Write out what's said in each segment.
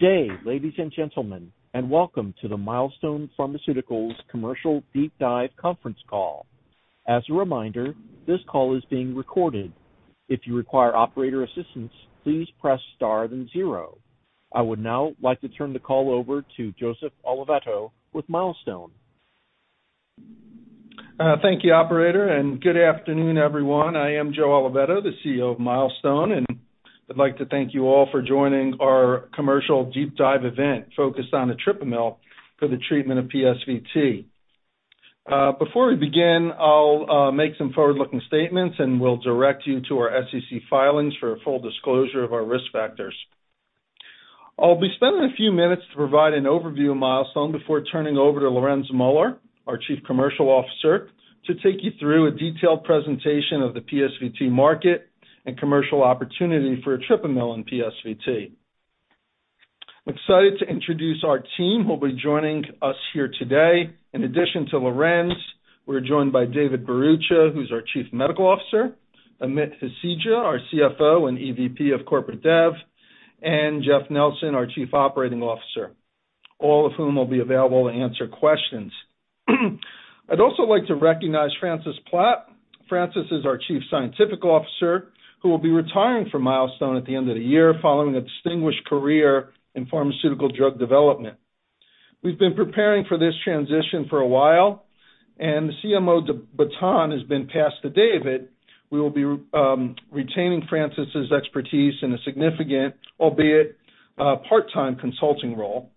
Good day, ladies and gentlemen, and welcome to the Milestone Pharmaceuticals Commercial Deep Dive Conference Call. As a reminder, this call is being recorded. If you require operator assistance, please press star then zero. I would now like to turn the call over to Joseph Oliveto with Milestone. Thank you, operator, good afternoon, everyone. I am Joe Oliveto, the CEO of Milestone, I'd like to thank you all for joining our commercial deep dive event focused on the etripamil for the treatment of PSVT. Before we begin, I'll make some forward-looking statements, we'll direct you to our SEC filings for a full disclosure of our risk factors. I'll be spending a few minutes to provide an overview of Milestone before turning over to Lorenz Muller, our Chief Commercial Officer, to take you through a detailed presentation of the PSVT market and commercial opportunity for etripamil in PSVT. I'm excited to introduce our team who will be joining us here today. In addition to Lorenz, we're joined by David Bharucha, who's our chief medical officer, Amit Hasija, our CFO and EVP of corporate dev, and Jeff Nelson, our chief operating officer, all of whom will be available to answer questions. I'd also like to recognize Francis Platt. Francis is our chief scientific officer who will be retiring from Milestone at the end of the year following a distinguished career in pharmaceutical drug development. We've been preparing for this transition for a while, the CMO baton has been passed to David. We will be retaining Francis's expertise in a significant, albeit, part-time consulting role.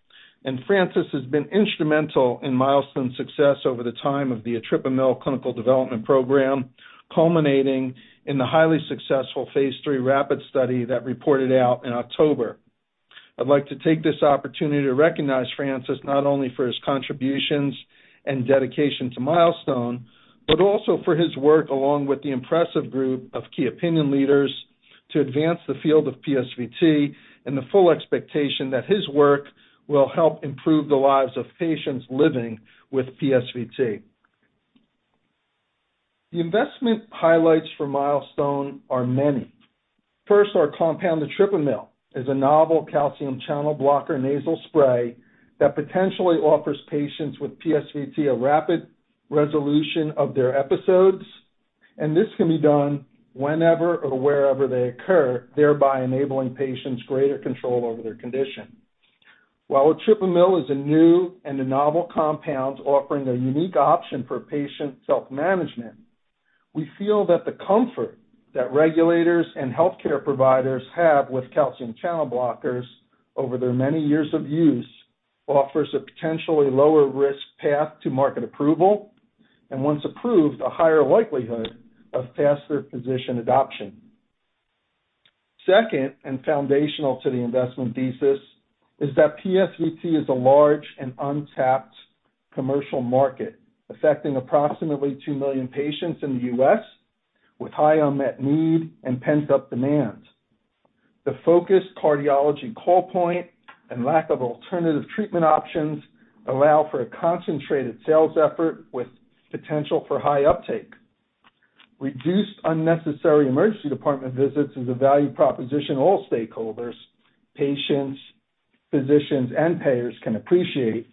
Francis has been instrumental in Milestone's success over the time of the etripamil clinical development program, culminating in the highly successful Phase 3 RAPID study that reported out in October. I'd like to take this opportunity to recognize Francis not only for his contributions and dedication to Milestone, but also for his work along with the impressive group of key opinion leaders to advance the field of PSVT and the full expectation that his work will help improve the lives of patients living with PSVT. The investment highlights for Milestone are many. First, our compound, etripamil, is a novel calcium channel blocker nasal spray that potentially offers patients with PSVT a rapid resolution of their episodes, and this can be done whenever or wherever they occur, thereby enabling patients greater control over their condition. While etripamil is a new and a novel compound offering a unique option for patient self-management, we feel that the comfort that regulators and healthcare providers have with calcium channel blockers over their many years of use offers a potentially lower risk path to market approval, and once approved, a higher likelihood of faster physician adoption. Second, foundational to the investment thesis is that PSVT is a large and untapped commercial market, affecting approximately 2 million patients in the U.S. with high unmet need and pent-up demands. The focused cardiology call point and lack of alternative treatment options allow for a concentrated sales effort with potential for high uptake. Reduced unnecessary emergency department visits is a value proposition all stakeholders, patients, physicians, and payers can appreciate,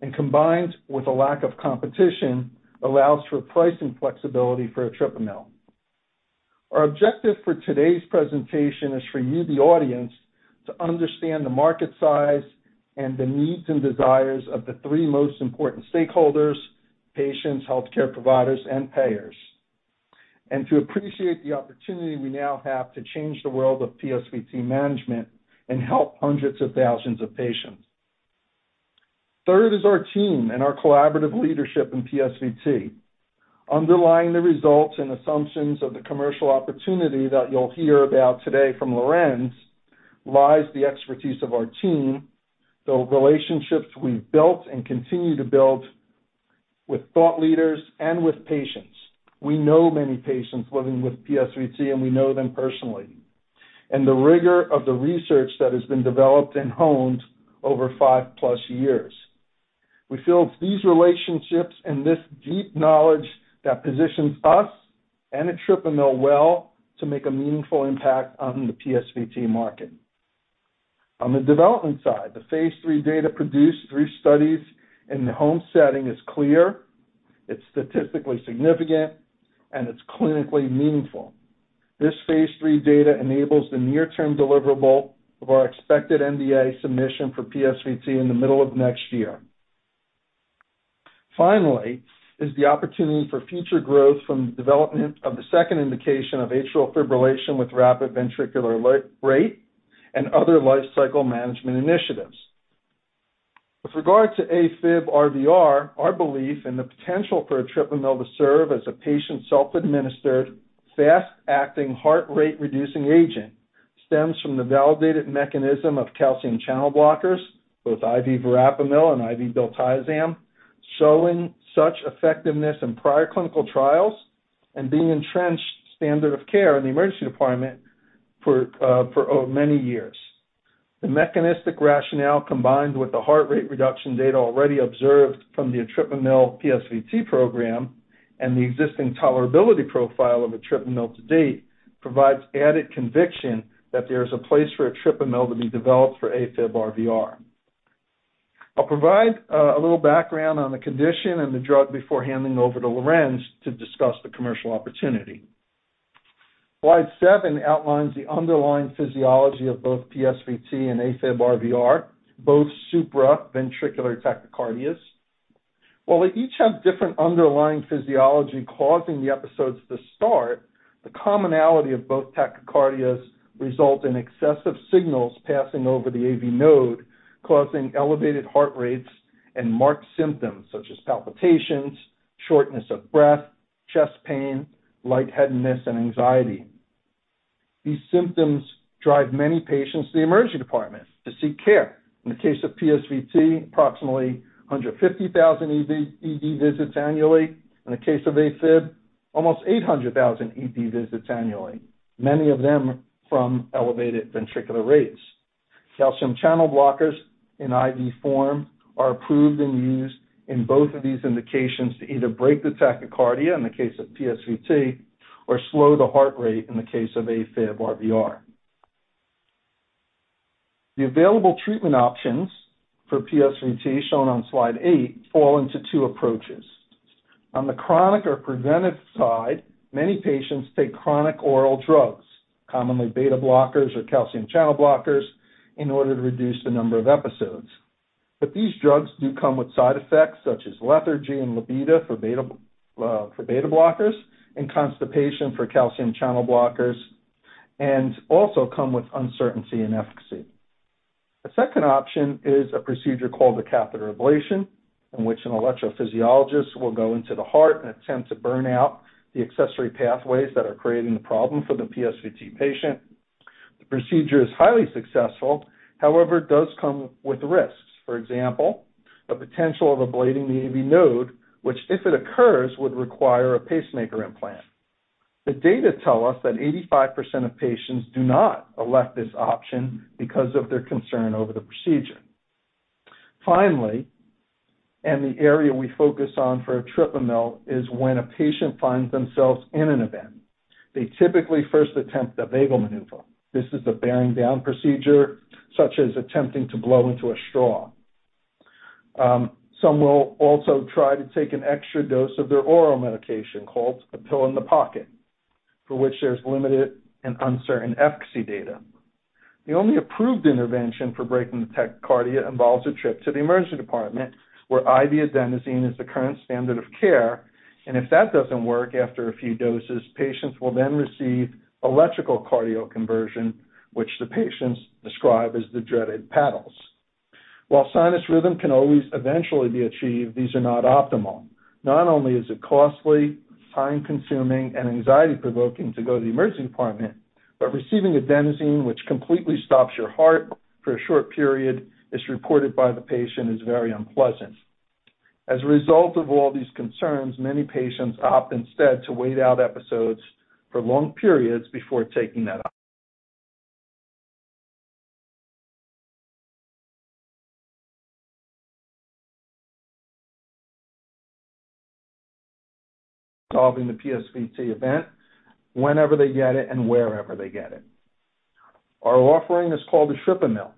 and combined with a lack of competition, allows for pricing flexibility for etripamil. Our objective for today's presentation is for you, the audience, to understand the market size and the needs and desires of the three most important stakeholders: patients, healthcare providers, and payers, and to appreciate the opportunity we now have to change the world of PSVT management and help hundreds of thousands of patients. Third is our team and our collaborative leadership in PSVT. Underlying the results and assumptions of the commercial opportunity that you'll hear about today from Lorenz lies the expertise of our team, the relationships we've built and continue to build with thought leaders and with patients. We know many patients living with PSVT, and we know them personally. The rigor of the research that has been developed and honed over five-plus years. We feel it's these relationships and this deep knowledge that positions us and etripamil well to make a meaningful impact on the PSVT market. On the development side, the phase three data produced three studies in the home setting is clear, it's statistically significant, and it's clinically meaningful. This phase three data enables the near-term deliverable of our expected NDA submission for PSVT in the middle of next year. Finally is the opportunity for future growth from the development of the second indication of atrial fibrillation with rapid ventricular rate and other lifecycle management initiatives. With regard to AFib-RVR, our belief in the potential for etripamil to serve as a patient self-administered, fast-acting heart rate-reducing agent stems from the validated mechanism of calcium channel blockers, both IV verapamil and IV diltiazem, showing such effectiveness in prior clinical trials and being entrenched standard of care in the emergency department for many years. The mechanistic rationale combined with the heart rate reduction data already observed from the etripamil PSVT program. The existing tolerability profile of etripamil to date provides added conviction that there is a place for etripamil to be developed for AFib-RVR. I'll provide a little background on the condition and the drug before handing over to Lorenz to discuss the commercial opportunity. Slide seven outlines the underlying physiology of both PSVT and AFib-RVR, both supraventricular tachycardias. While they each have different underlying physiology causing the episodes to start, the commonality of both tachycardias result in excessive signals passing over the AV node, causing elevated heart rates and marked symptoms such as palpitations, shortness of breath, chest pain, lightheadedness, and anxiety. These symptoms drive many patients to the emergency department to seek care. In the case of PSVT, approximately 150,000 ED visits annually. In the case of AFib, almost 800,000 ED visits annually, many of them from elevated ventricular rates. Calcium channel blockers in IV form are approved and used in both of these indications to either break the tachycardia, in the case of PSVT, or slow the heart rate in the case of AFib-RVR. The available treatment options for PSVT, shown on slide 8, fall into two approaches. On the chronic or preventive side, many patients take chronic oral drugs, commonly beta blockers or calcium channel blockers, in order to reduce the number of episodes. These drugs do come with side effects such as lethargy and libido well, for beta blockers, and constipation for calcium channel blockers, and also come with uncertainty in efficacy. The second option is a procedure called a catheter ablation, in which an electrophysiologist will go into the heart and attempt to burn out the accessory pathways that are creating the problem for the PSVT patient. The procedure is highly successful. However, it does come with risks. For example, the potential of ablating the AV node, which if it occurs, would require a pacemaker implant. The data tell us that 85% of patients do not elect this option because of their concern over the procedure. Finally, and the area we focus on for etripamil, is when a patient finds themselves in an event. They typically first attempt the vagal maneuver. This is a bearing down procedure, such as attempting to blow into a straw. Some will also try to take an extra dose of their oral medication, called a pill-in-the-pocket, for which there's limited and uncertain efficacy data. The only approved intervention for breaking the tachycardia involves a trip to the emergency department, where IV adenosine is the current standard of care. If that doesn't work after a few doses, patients will then receive electrical cardioversion, which the patients describe as the dreaded paddles. While sinus rhythm can always eventually be achieved, these are not optimal. Not only is it costly, time-consuming, and anxiety-provoking to go to the emergency department, but receiving adenosine, which completely stops your heart for a short period, is reported by the patient as very unpleasant. As a result of all these concerns, many patients opt instead to wait out episodes for long periods before taking that option. Solving the PSVT event whenever they get it and wherever they get it. Our offering is called etripamil.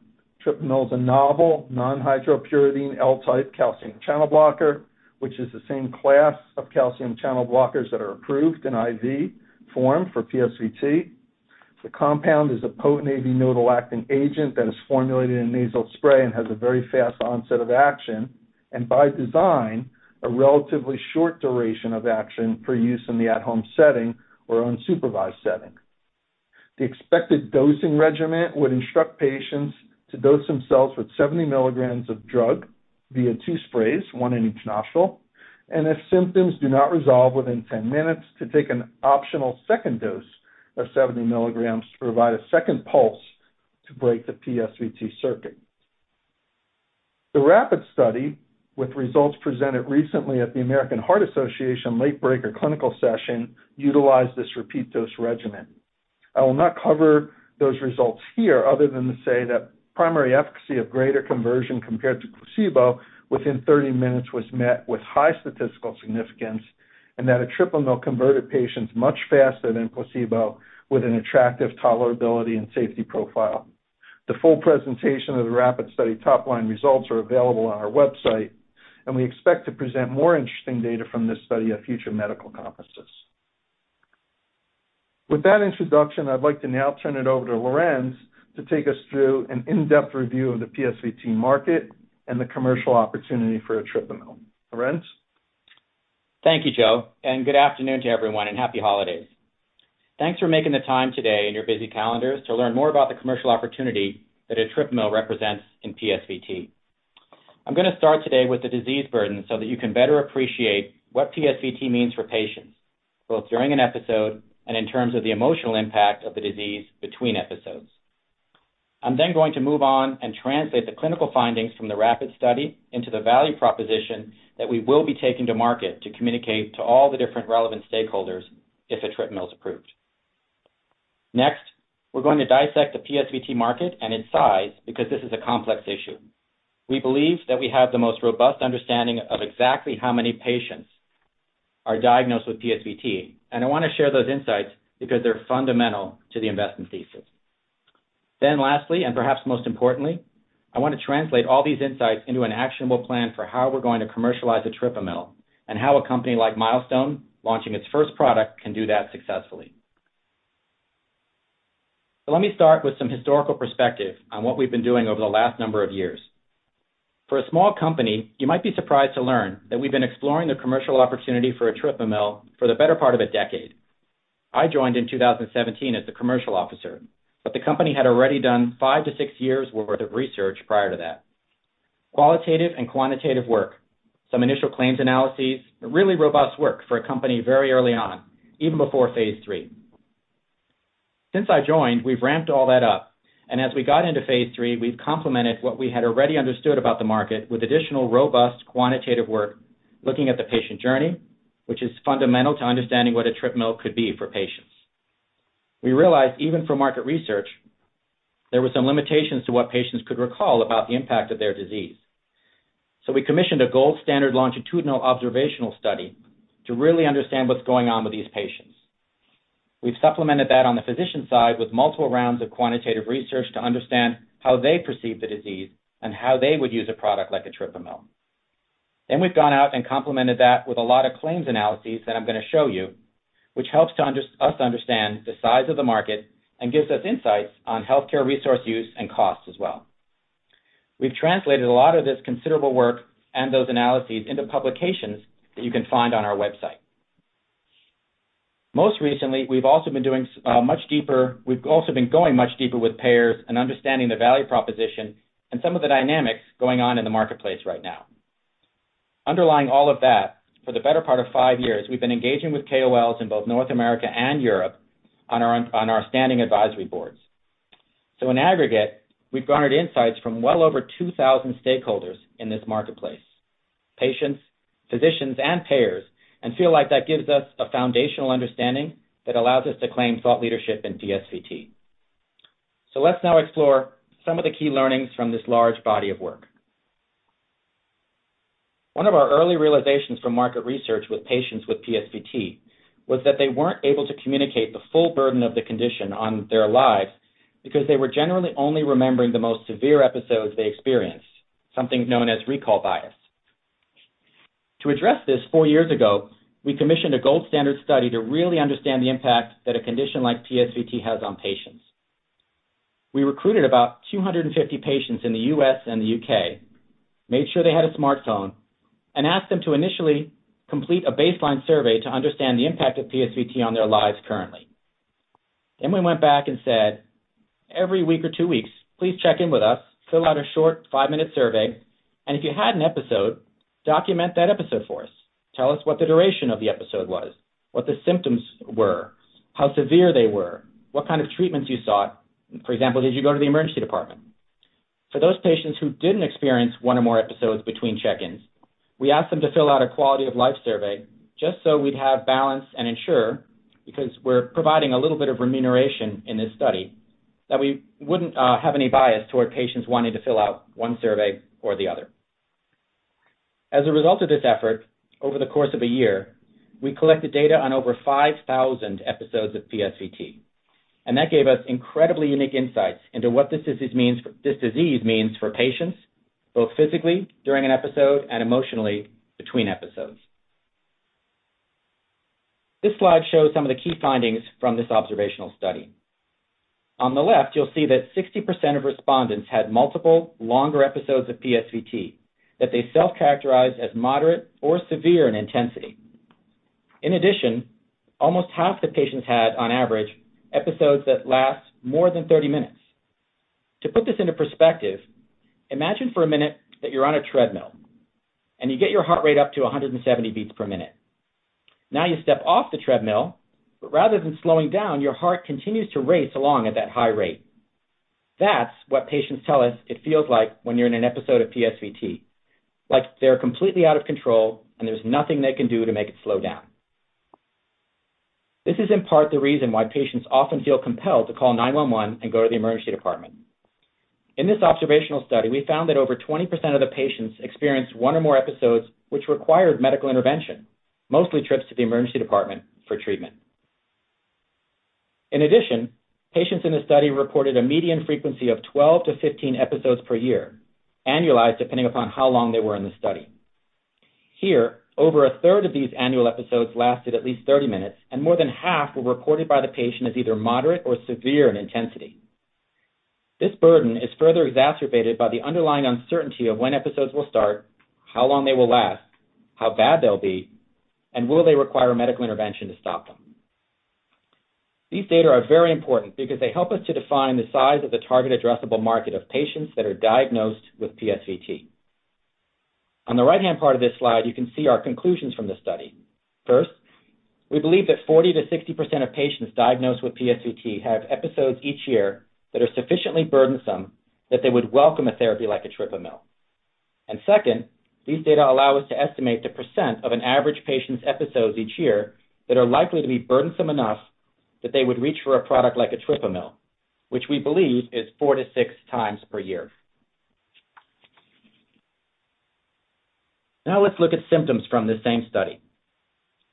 Etripamil is a novel non-dihydropyridine L-type calcium channel blocker, which is the same class of calcium channel blockers that are approved in IV form for PSVT. The compound is a potent AV nodal acting agent that is formulated in nasal spray and has a very fast onset of action, and by design, a relatively short duration of action for use in the at-home setting or unsupervised setting. The expected dosing regimen would instruct patients to dose themselves with 70 milligrams of drug via two sprays, one in each nostril. If symptoms do not resolve within 10 minutes, to take an optional second dose of 70 milligrams to provide a second pulse to break the PSVT circuit. The RAPID study, with results presented recently at the American Heart Association Late-Breaking Science Session, utilized this repeat dose regimen. I will not cover those results here other than to say that primary efficacy of greater conversion compared to placebo within 30 minutes was met with high statistical significance, and that etripamil converted patients much faster than placebo with an attractive tolerability and safety profile. The full presentation of the RAPID study top-line results are available on our website, and we expect to present more interesting data from this study at future medical conferences. With that introduction, I'd like to now turn it over to Lorenz to take us through an in-depth review of the PSVT market and the commercial opportunity for etripamil. Lorenz? Thank you, Joe. Good afternoon to everyone. Happy holidays. Thanks for making the time today in your busy calendars to learn more about the commercial opportunity that etripamil represents in PSVT. I'm gonna start today with the disease burden so that you can better appreciate what PSVT means for patients, both during an episode and in terms of the emotional impact of the disease between episodes. I'm going to move on and translate the clinical findings from the RAPID study into the value proposition that we will be taking to market to communicate to all the different relevant stakeholders if etripamil is approved. Next, we're going to dissect the PSVT market and its size because this is a complex issue. We believe that we have the most robust understanding of exactly how many patients are diagnosed with PSVT. I wanna share those insights because they're fundamental to the investment thesis. Lastly, and perhaps most importantly, I wanna translate all these insights into an actionable plan for how we're going to commercialize etripamil and how a company like Milestone launching its first product can do that successfully. Let me start with some historical perspective on what we've been doing over the last number of years. For a small company, you might be surprised to learn that we've been exploring the commercial opportunity for etripamil for the better part of a decade. I joined in 2017 as the commercial officer, but the company had already done 5-6 years' worth of research prior to that. Qualitative and quantitative work, some initial claims analyses, really robust work for a company very early on, even before phase 3. Since I joined, we've ramped all that up. As we got into phase 3, we've complemented what we had already understood about the market with additional robust quantitative work looking at the patient journey, which is fundamental to understanding what etripamil could be for patients. We realized, even from market research, there were some limitations to what patients could recall about the impact of their disease. We commissioned a gold standard longitudinal observational study to really understand what's going on with these patients. We've supplemented that on the physician side with multiple rounds of quantitative research to understand how they perceive the disease and how they would use a product like etripamil. We've gone out and complemented that with a lot of claims analyses that I'm going to show you, which helps us to understand the size of the market and gives us insights on healthcare resource use and costs as well. We've translated a lot of this considerable work and those analyses into publications that you can find on our website. Most recently, we've also been going much deeper with payers and understanding the value proposition and some of the dynamics going on in the marketplace right now. Underlying all of that, for the better part of five years, we've been engaging with KOLs in both North America and Europe on our standing advisory boards. In aggregate, we've garnered insights from well over 2,000 stakeholders in this marketplace, patients, physicians, and payers, and feel like that gives us a foundational understanding that allows us to claim thought leadership in PSVT. Let's now explore some of the key learnings from this large body of work. One of our early realizations from market research with patients with PSVT was that they weren't able to communicate the full burden of the condition on their lives because they were generally only remembering the most severe episodes they experienced, something known as recall bias. To address this, four years ago, we commissioned a gold standard study to really understand the impact that a condition like PSVT has on patients. We recruited about 250 patients in the U.S. and the U.K., made sure they had a smartphone, and asked them to initially complete a baseline survey to understand the impact of PSVT on their lives currently. We went back and said, "Every week or two weeks, please check in with us, fill out a short 5-minute survey, and if you had an episode, document that episode for us. Tell us what the duration of the episode was, what the symptoms were, how severe they were, what kind of treatments you sought. For example, did you go to the emergency department?" For those patients who didn't experience one or more episodes between check-ins, we asked them to fill out a quality of life survey just so we'd have balance and ensure, because we're providing a little bit of remuneration in this study, that we wouldn't have any bias toward patients wanting to fill out one survey or the other. As a result of this effort, over the course of a year, we collected data on over 5,000 episodes of PSVT, that gave us incredibly unique insights into what this disease means for patients, both physically during an episode and emotionally between episodes. This slide shows some of the key findings from this observational study. On the left, you'll see that 60% of respondents had multiple longer episodes of PSVT that they self-characterized as moderate or severe in intensity. In addition, almost half the patients had, on average, episodes that last more than 30 minutes. To put this into perspective, imagine for a minute that you're on a treadmill and you get your heart rate up to 170 beats per minute. You step off the treadmill, but rather than slowing down, your heart continues to race along at that high rate. That's what patients tell us it feels like when you're in an episode of PSVT, like they're completely out of control and there's nothing they can do to make it slow down. This is in part the reason why patients often feel compelled to call nine one one and go to the emergency department. In this observational study, we found that over 20% of the patients experienced 1 or more episodes which required medical intervention, mostly trips to the emergency department for treatment. Patients in the study reported a median frequency of 12-15 episodes per year, annualized depending upon how long they were in the study. Over a third of these annual episodes lasted at least 30 minutes, and more than half were reported by the patient as either moderate or severe in intensity. This burden is further exacerbated by the underlying uncertainty of when episodes will start, how long they will last, how bad they'll be, and will they require medical intervention to stop them? These data are very important because they help us to define the size of the target addressable market of patients that are diagnosed with PSVT. On the right-hand part of this slide, you can see our conclusions from the study. First, we believe that 40% to 60% of patients diagnosed with PSVT have episodes each year that are sufficiently burdensome that they would welcome a therapy like etripamil. Second, these data allow us to estimate the percent of an average patient's episodes each year that are likely to be burdensome enough that they would reach for a product like etripamil, which we believe is four to six times per year. Now let's look at symptoms from this same study.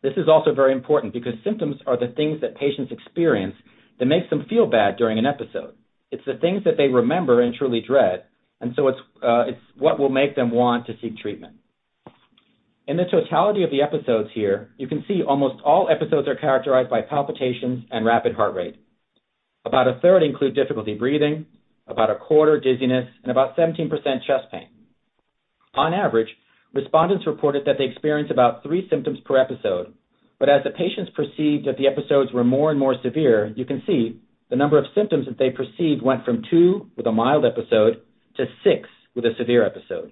This is also very important because symptoms are the things that patients experience that makes them feel bad during an episode. It's the things that they remember and truly dread, so it's what will make them want to seek treatment. In the totality of the episodes here, you can see almost all episodes are characterized by palpitations and rapid heart rate. About a third include difficulty breathing, about a quarter dizziness, and about 17% chest pain. On average, respondents reported that they experience about three symptoms per episode, but as the patients perceived that the episodes were more and more severe, you can see the number of symptoms that they perceived went from two with a mild episode to six with a severe episode.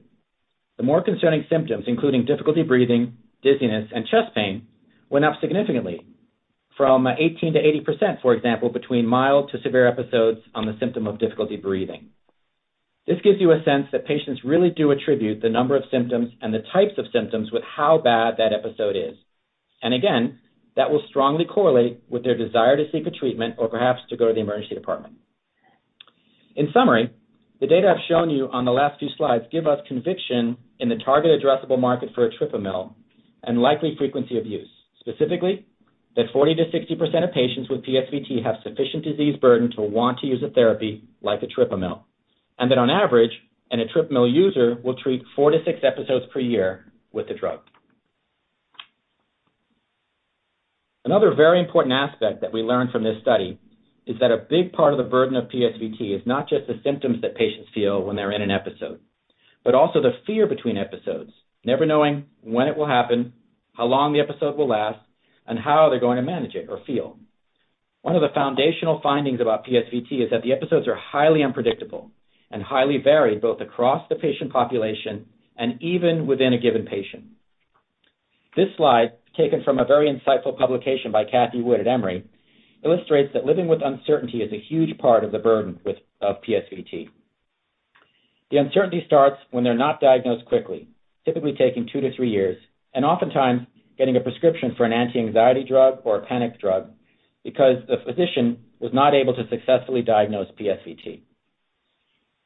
The more concerning symptoms, including difficulty breathing, dizziness, and chest pain, went up significantly from 18%-80%, for example, between mild to severe episodes on the symptom of difficulty breathing. This gives you a sense that patients really do attribute the number of symptoms and the types of symptoms with how bad that episode is. Again, that will strongly correlate with their desire to seek a treatment or perhaps to go to the emergency department. In summary, the data I've shown you on the last few slides give us conviction in the target addressable market for etripamil and likely frequency of use. Specifically, that 40%-60% of patients with PSVT have sufficient disease burden to want to use a therapy like etripamil. That on average, an etripamil user will treat 4-6 episodes per year with the drug. Another very important aspect that we learned from this study is that a big part of the burden of PSVT is not just the symptoms that patients feel when they're in an episode, but also the fear between episodes, never knowing when it will happen, how long the episode will last, and how they're going to manage it or feel. One of the foundational findings about PSVT is that the episodes are highly unpredictable and highly varied, both across the patient population and even within a given patient. This slide, taken from a very insightful publication by Kathy Wood at Emory, illustrates that living with uncertainty is a huge part of the burden of PSVT. The uncertainty starts when they're not diagnosed quickly, typically taking two to three years, oftentimes getting a prescription for an anti-anxiety drug or a panic drug because the physician was not able to successfully diagnose PSVT.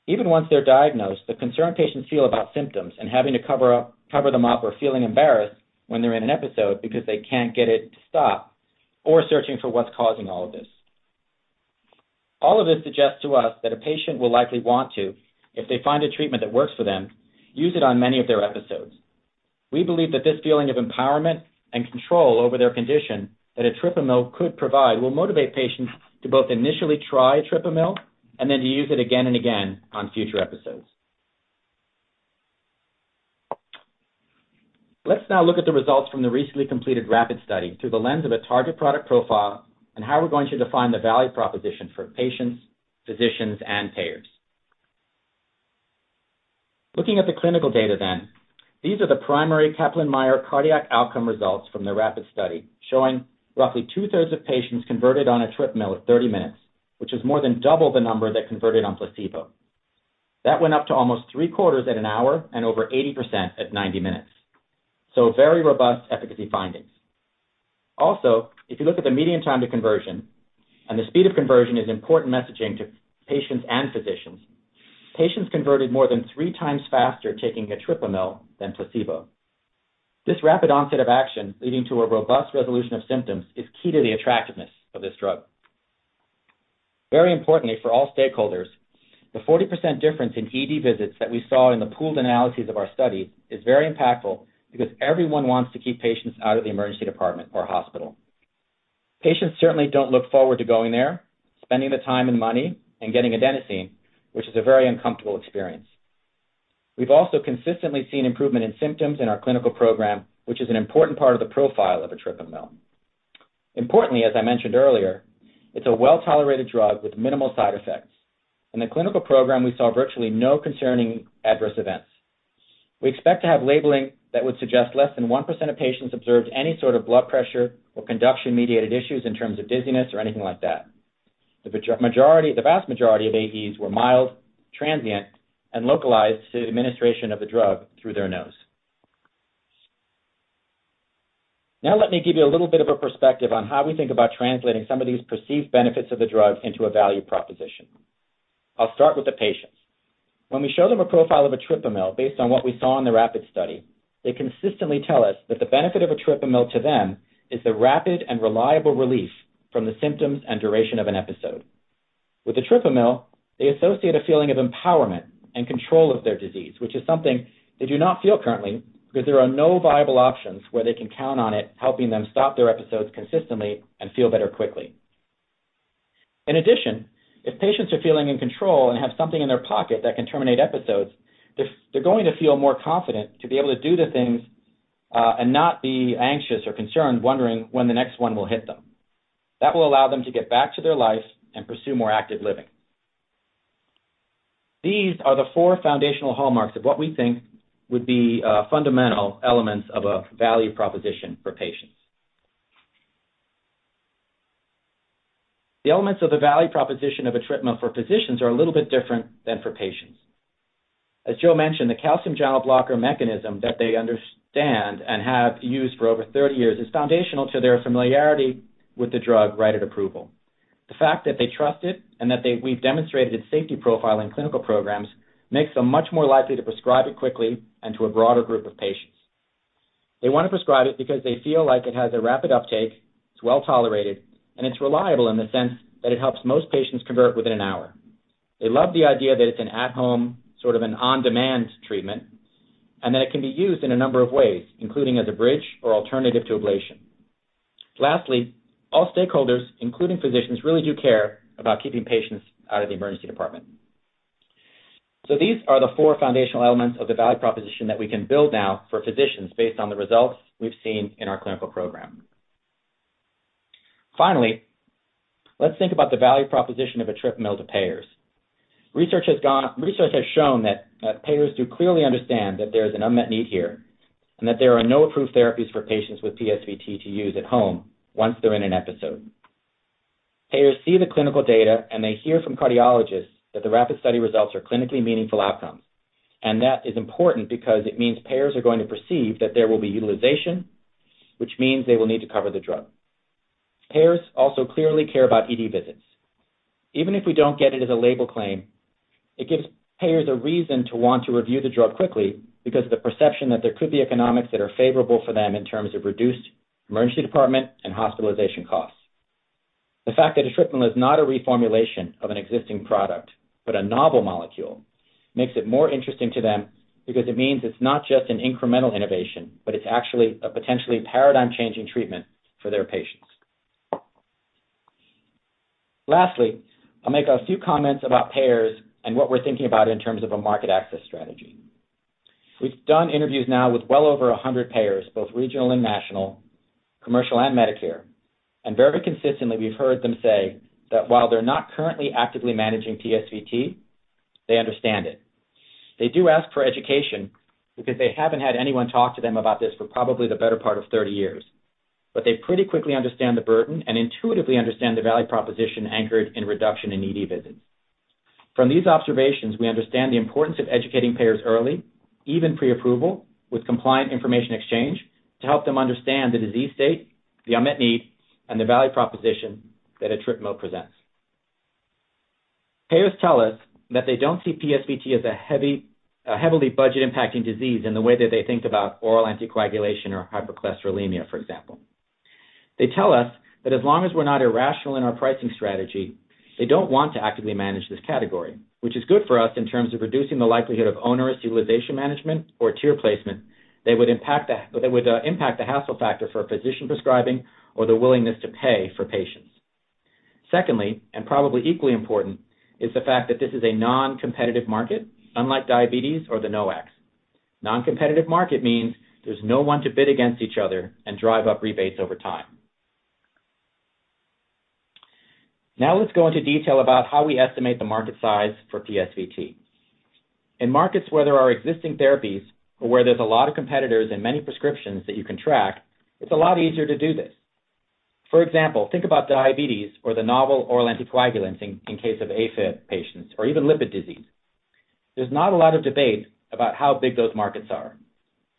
Even once they're diagnosed, the concern patients feel about symptoms and having to cover them up or feeling embarrassed when they're in an episode because they can't get it to stop, or searching for what's causing all of this. All of this suggests to us that a patient will likely want to, if they find a treatment that works for them, use it on many of their episodes. We believe that this feeling of empowerment and control over their condition that etripamil could provide will motivate patients to both initially try etripamil and then to use it again and again on future episodes. Let's now look at the results from the recently completed RAPID study through the lens of a target product profile and how we're going to define the value proposition for patients, physicians, and payers. Looking at the clinical data, these are the primary Kaplan-Meier cardiac outcome results from the RAPID study, showing roughly two-thirds of patients converted on etripamil at 30 minutes, which is more than double the number that converted on placebo. That went up to almost three-quarters at an hour and over 80% at 90 minutes. Very robust efficacy findings. If you look at the median time to conversion and the speed of conversion is important messaging to patients and physicians. Patients converted more than three times faster taking etripamil than placebo. This rapid onset of action leading to a robust resolution of symptoms is key to the attractiveness of this drug. Very importantly for all stakeholders, the 40% difference in ED visits that we saw in the pooled analyses of our study is very impactful because everyone wants to keep patients out of the emergency department or hospital. Patients certainly don't look forward to going there, spending the time and money and getting adenosine, which is a very uncomfortable experience. We've also consistently seen improvement in symptoms in our clinical program, which is an important part of the profile of etripamil. Importantly, as I mentioned earlier, it's a well-tolerated drug with minimal side effects. In the clinical program, we saw virtually no concerning adverse events. We expect to have labeling that would suggest less than 1% of patients observed any sort of blood pressure or conduction mediated issues in terms of dizziness or anything like that. The majority, the vast majority of AEs were mild, transient, and localized to administration of the drug through their nose. Let me give you a little bit of a perspective on how we think about translating some of these perceived benefits of the drug into a value proposition. I'll start with the patients. When we show them a profile of etripamil based on what we saw in the RAPID study, they consistently tell us that the benefit of etripamil to them is the rapid and reliable relief from the symptoms and duration of an episode. With etripamil, they associate a feeling of empowerment and control of their disease, which is something they do not feel currently because there are no viable options where they can count on it, helping them stop their episodes consistently and feel better quickly. In addition, if patients are feeling in control and have something in their pocket that can terminate episodes, they're going to feel more confident to be able to do the things and not be anxious or concerned wondering when the next one will hit them. That will allow them to get back to their life and pursue more active living. These are the four foundational hallmarks of what we think would be fundamental elements of a value proposition for patients. The elements of the value proposition of a treatment for physicians are a little bit different than for patients. As Joe mentioned, the calcium channel blocker mechanism that they understand and have used for over 30 years is foundational to their familiarity with the drug right at approval. The fact that they trust it and that we've demonstrated its safety profile in clinical programs makes them much more likely to prescribe it quickly and to a broader group of patients. They wanna prescribe it because they feel like it has a rapid uptake, it's well-tolerated, and it's reliable in the sense that it helps most patients convert within an hour. They love the idea that it's an at-home, sort of an on-demand treatment, and that it can be used in a number of ways, including as a bridge or alternative to ablation. All stakeholders, including physicians, really do care about keeping patients out of the emergency department. These are the four foundational elements of the value proposition that we can build now for physicians based on the results we've seen in our clinical program. Let's think about the value proposition of etripamil to payers. Research has shown that payers do clearly understand that there is an unmet need here, and that there are no approved therapies for patients with PSVT to use at home once they're in an episode. Payers see the clinical data, they hear from cardiologists that the RAPID study results are clinically meaningful outcomes. That is important because it means payers are going to perceive that there will be utilization, which means they will need to cover the drug. Payers also clearly care about ED visits. Even if we don't get it as a label claim, it gives payers a reason to want to review the drug quickly because of the perception that there could be economics that are favorable for them in terms of reduced emergency department and hospitalization costs. The fact that etripamil is not a reformulation of an existing product, but a novel molecule, makes it more interesting to them because it means it's not just an incremental innovation, but it's actually a potentially paradigm-changing treatment for their patients. Lastly, I'll make a few comments about payers and what we're thinking about in terms of a market access strategy. We've done interviews now with well over 100 payers, both regional and national, commercial and Medicare. Very consistently, we've heard them say that while they're not currently actively managing PSVT, they understand it. They do ask for education because they haven't had anyone talk to them about this for probably the better part of 30 years. They pretty quickly understand the burden and intuitively understand the value proposition anchored in reduction in ED visits. From these observations, we understand the importance of educating payers early, even pre-approval, with compliant information exchange to help them understand the disease state, the unmet need, and the value proposition that etripamil presents. Payers tell us that they don't see PSVT as a heavily budget-impacting disease in the way that they think about oral anticoagulation or hypercholesterolemia, for example. They tell us that as long as we're not irrational in our pricing strategy, they don't want to actively manage this category, which is good for us in terms of reducing the likelihood of onerous utilization management or tier placement that would impact the hassle factor for a physician prescribing or the willingness to pay for patients. Secondly, probably equally important, is the fact that this is a non-competitive market, unlike diabetes or the NOACs. Non-competitive market means there's no one to bid against each other and drive up rebates over time. Let's go into detail about how we estimate the market size for PSVT. In markets where there are existing therapies or where there's a lot of competitors and many prescriptions that you can track, it's a lot easier to do this. For example, think about diabetes or the novel oral anticoagulants in case of AFib patients or even lipid disease. There's not a lot of debate about how big those markets are.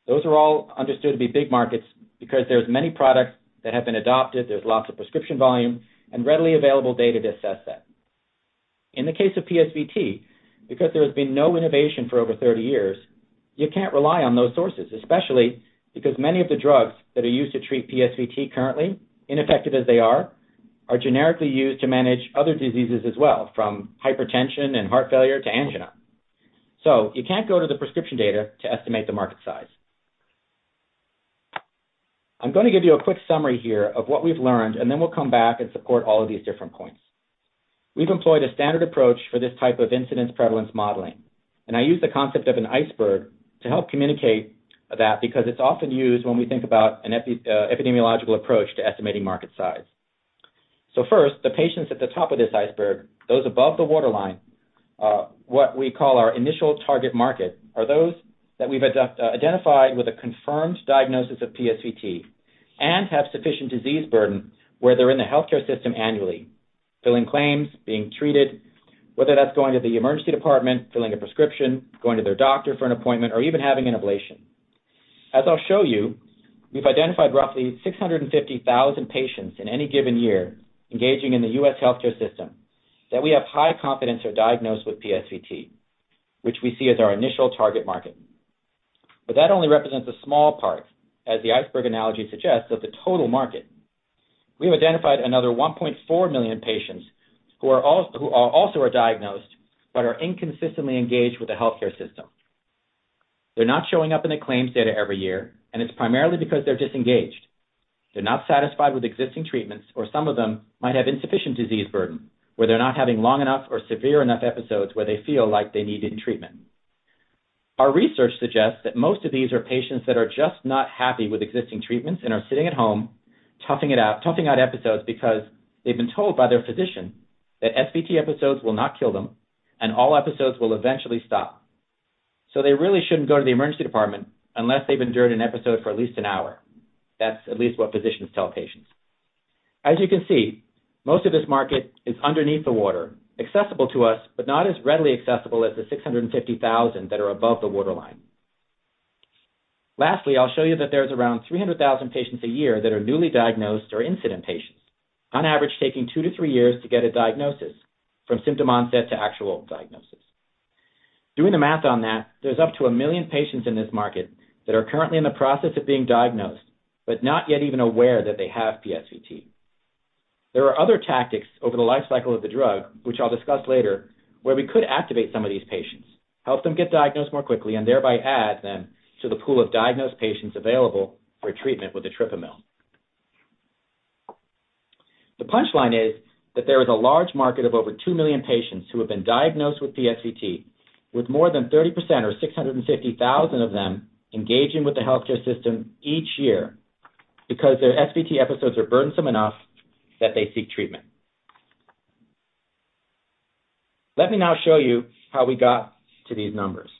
Those are all understood to be big markets because there's many products that have been adopted, there's lots of prescription volume and readily available data to assess that. In the case of PSVT, because there has been no innovation for over 30 years, you can't rely on those sources, especially because many of the drugs that are used to treat PSVT currently, ineffective as they are generically used to manage other diseases as well, from hypertension and heart failure to angina. You can't go to the prescription data to estimate the market size. I'm gonna give you a quick summary here of what we've learned. Then we'll come back and support all of these different points. We've employed a standard approach for this type of incidence prevalence modeling. I use the concept of an iceberg to help communicate that because it's often used when we think about an epidemiological approach to estimating market size. First, the patients at the top of this iceberg, those above the waterline, what we call our initial target market, are those that we've identified with a confirmed diagnosis of PSVT and have sufficient disease burden where they're in the healthcare system annually, filling claims, being treated, whether that's going to the emergency department, filling a prescription, going to their doctor for an appointment, or even having an ablation. As I'll show you, we've identified roughly 650,000 patients in any given year engaging in the U.S. healthcare system that we have high confidence are diagnosed with PSVT, which we see as our initial target market. That only represents a small part, as the iceberg analogy suggests, of the total market. We've identified another 1.4 million patients who are also diagnosed but are inconsistently engaged with the healthcare system. They're not showing up in the claims data every year, and it's primarily because they're disengaged. They're not satisfied with existing treatments, or some of them might have insufficient disease burden, where they're not having long enough or severe enough episodes where they feel like they need treatment. Our research suggests that most of these are patients that are just not happy with existing treatments and are sitting at home toughing it out, toughing out episodes because they've been told by their physician that SVT episodes will not kill them and all episodes will eventually stop. They really shouldn't go to the emergency department unless they've endured an episode for at least an hour. That's at least what physicians tell patients. As you can see, most of this market is underneath the water, accessible to us, but not as readily accessible as the 650,000 that are above the waterline. Lastly, I'll show you that there's around 300,000 patients a year that are newly diagnosed or incident patients, on average, taking two to three years to get a diagnosis from symptom onset to actual diagnosis. Doing the math on that, there's up to 1 million patients in this market that are currently in the process of being diagnosed, but not yet even aware that they have PSVT. There are other tactics over the life cycle of the drug, which I'll discuss later, where we could activate some of these patients, help them get diagnosed more quickly, and thereby add them to the pool of diagnosed patients available for treatment with etripamil. The punchline is that there is a large market of over 2 million patients who have been diagnosed with PSVT, with more than 30% or 650,000 of them engaging with the healthcare system each year because their SVT episodes are burdensome enough that they seek treatment. Let me now show you how we got to these numbers.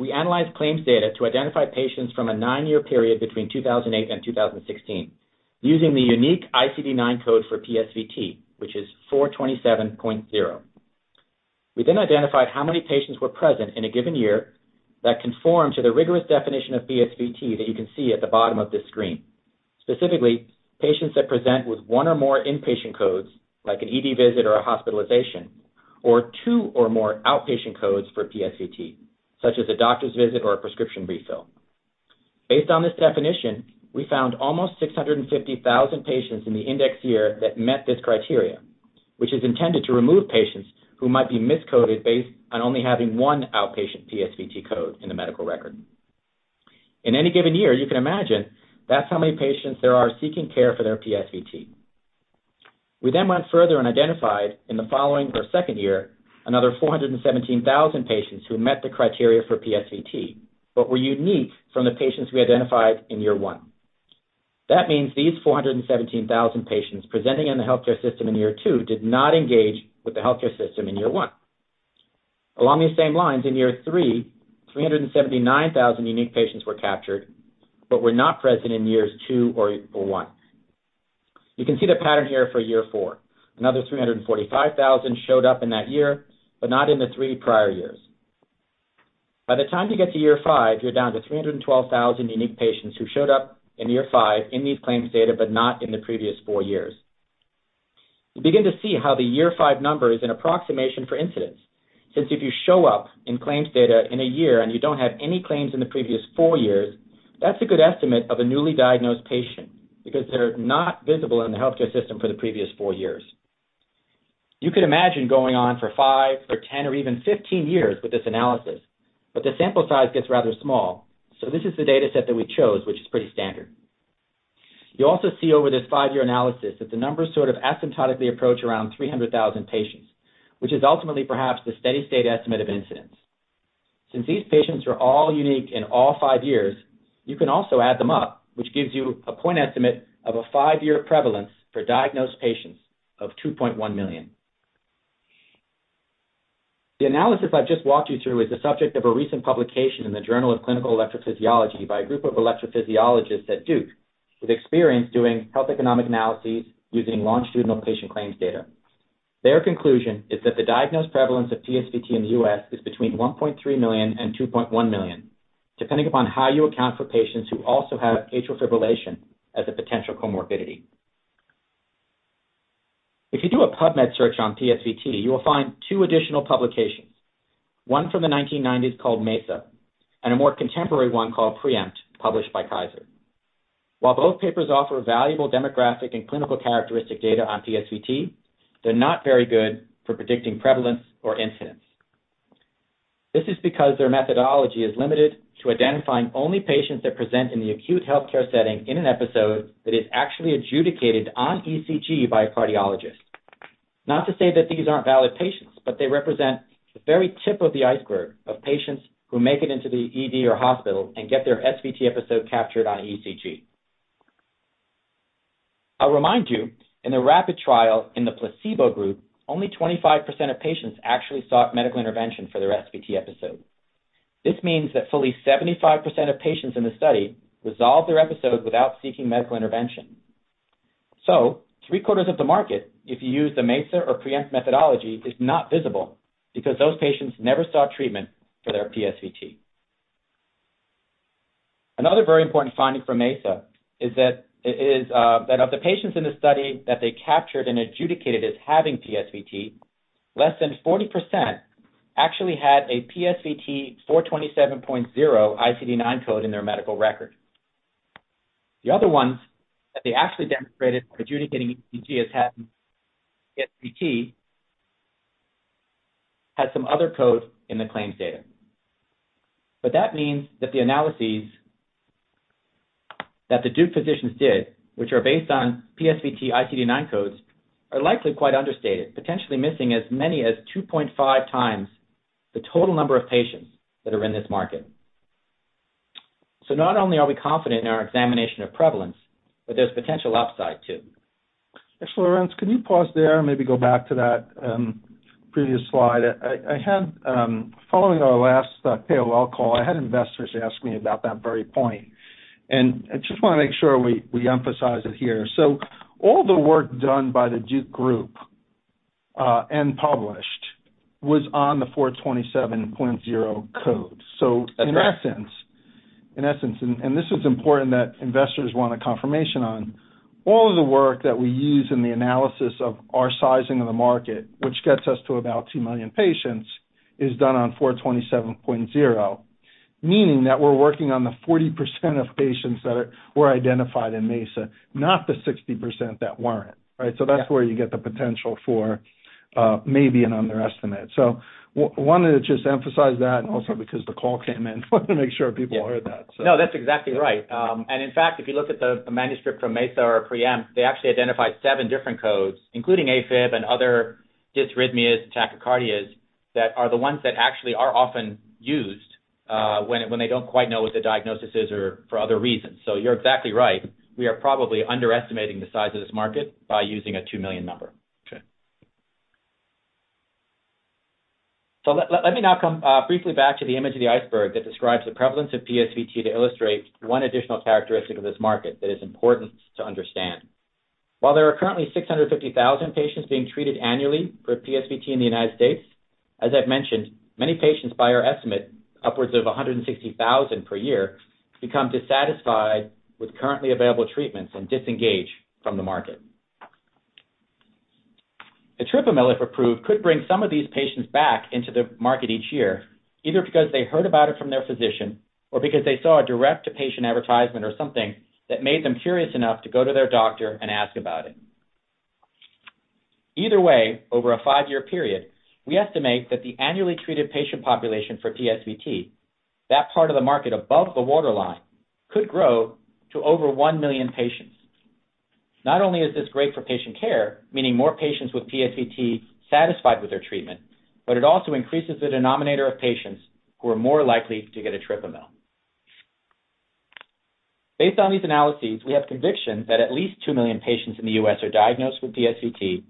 We analyzed claims data to identify patients from a nine-year period between 2008 and 2016 using the unique ICD-9 code for PSVT, which is 427.0. We identified how many patients were present in a given year that conform to the rigorous definition of PSVT that you can see at the bottom of this screen. Specifically, patients that present with one or more inpatient codes, like an ED visit or a hospitalization, or two or more outpatient codes for PSVT, such as a doctor's visit or a prescription refill. Based on this definition, we found almost 650,000 patients in the index year that met this criteria, which is intended to remove patients who might be miscoded based on only having one outpatient PSVT code in the medical record. In any given year, you can imagine that's how many patients there are seeking care for their PSVT. We went further and identified in the following or second year, another 417,000 patients who met the criteria for PSVT, but were unique from the patients we identified in year 1. That means these 417,000 patients presenting in the healthcare system in year 2 did not engage with the healthcare system in year 1. Along these same lines, in year 3, 379,000 unique patients were captured, but were not present in years 2 or 1. You can see the pattern here for year 4. Another 345,000 showed up in that year, but not in the three prior years. By the time you get to year 5, you're down to 312,000 unique patients who showed up in year 5 in these claims data, but not in the previous four years. You begin to see how the year 5 number is an approximation for incidence, since if you show up in claims data in a year and you don't have any claims in the previous four years, that's a good estimate of a newly diagnosed patient because they're not visible in the healthcare system for the previous four years. You could imagine going on for five or 10 or even 15 years with this analysis, but the sample size gets rather small, so this is the data set that we chose, which is pretty standard. You also see over this 5-year analysis that the numbers sort of asymptotically approach around 300,000 patients, which is ultimately perhaps the steady-state estimate of incidence. Since these patients are all unique in all five years, you can also add them up, which gives you a point estimate of a 5-year prevalence for diagnosed patients of 2.1 million. The analysis I've just walked you through is the subject of a recent publication in the Journal of Clinical Electrophysiology by a group of electrophysiologists at Duke with experience doing health economic analyses using longitudinal patient claims data. Their conclusion is that the diagnosed prevalence of PSVT in the U.S. is between 1.3 million and 2.1 million, depending upon how you account for patients who also have atrial fibrillation as a potential comorbidity. If you do a PubMed search on PSVT, you will find two additional publications, one from the 1990s called MESA, and a more contemporary one called PREEMPT, published by Kaiser Permanente. While both papers offer valuable demographic and clinical characteristic data on PSVT, they're not very good for predicting prevalence or incidence. This is because their methodology is limited to identifying only patients that present in the acute healthcare setting in an episode that is actually adjudicated on ECG by a cardiologist. Not to say that these aren't valid patients, but they represent the very tip of the iceberg of patients who make it into the ED or hospital and get their SVT episode captured on ECG. I'll remind you, in the RAPID study in the placebo group, only 25% of patients actually sought medical intervention for their SVT episode. This means that fully 75% of patients in the study resolved their episode without seeking medical intervention. Three-quarters of the market, if you use the MESA or PREEMPT methodology, is not visible because those patients never sought treatment for their PSVT. Another very important finding from MESA is that of the patients in the study that they captured and adjudicated as having PSVT, less than 40% actually had a PSVT 427.0 ICD-9 code in their medical record. The other ones that they actually demonstrated adjudicating ECG as having PSVT had some other code in the claims data. That means that the analyses that the Duke physicians did, which are based on PSVT ICD-9 codes, are likely quite understated, potentially missing as many as 2.5 times the total number of patients that are in this market. Not only are we confident in our examination of prevalence, but there's potential upside too. Actually, Lorenz, can you pause there and maybe go back to that previous slide? I had Following our last KOL call, I had investors ask me about that very point, and I just wanna make sure we emphasize it here. All the work done by the Duke group and published was on the 427.0 code. That's right. In essence, and this is important that investors want a confirmation on. All of the work that we use in the analysis of our sizing of the market, which gets us to about 2 million patients, is done on 427.0, meaning that we're working on the 40% of patients that were identified in MESA, not the 60% that weren't, right? Yeah. That's where you get the potential for, maybe an underestimate. Wanted to just emphasize that and also because the call came in, wanted to make sure people heard that. No, that's exactly right. In fact, if you look at the manuscript from MESA or PREEMPT, they actually identified seven different codes, including AFib and other dysrhythmias and tachycardias, that are the ones that actually are often used, when they don't quite know what the diagnosis is or for other reasons. You're exactly right, we are probably underestimating the size of this market by using a 2 million number. Okay. Let me now come briefly back to the image of the iceberg that describes the prevalence of PSVT to illustrate one additional characteristic of this market that is important to understand. While there are currently 650,000 patients being treated annually for PSVT in the United States, as I've mentioned, many patients, by our estimate, upwards of 160,000 per year, become dissatisfied with currently available treatments and disengage from the market. Etripamil, if approved, could bring some of these patients back into the market each year, either because they heard about it from their physician or because they saw a direct-to-patient advertisement or something that made them curious enough to go to their doctor and ask about it. Either way, over a five-year period, we estimate that the annually treated patient population for PSVT, that part of the market above the waterline, could grow to over 1 million patients. Not only is this great for patient care, meaning more patients with PSVT satisfied with their treatment, but it also increases the denominator of patients who are more likely to get etripamil. Based on these analyses, we have conviction that at least 2 million patients in the US are diagnosed with PSVT,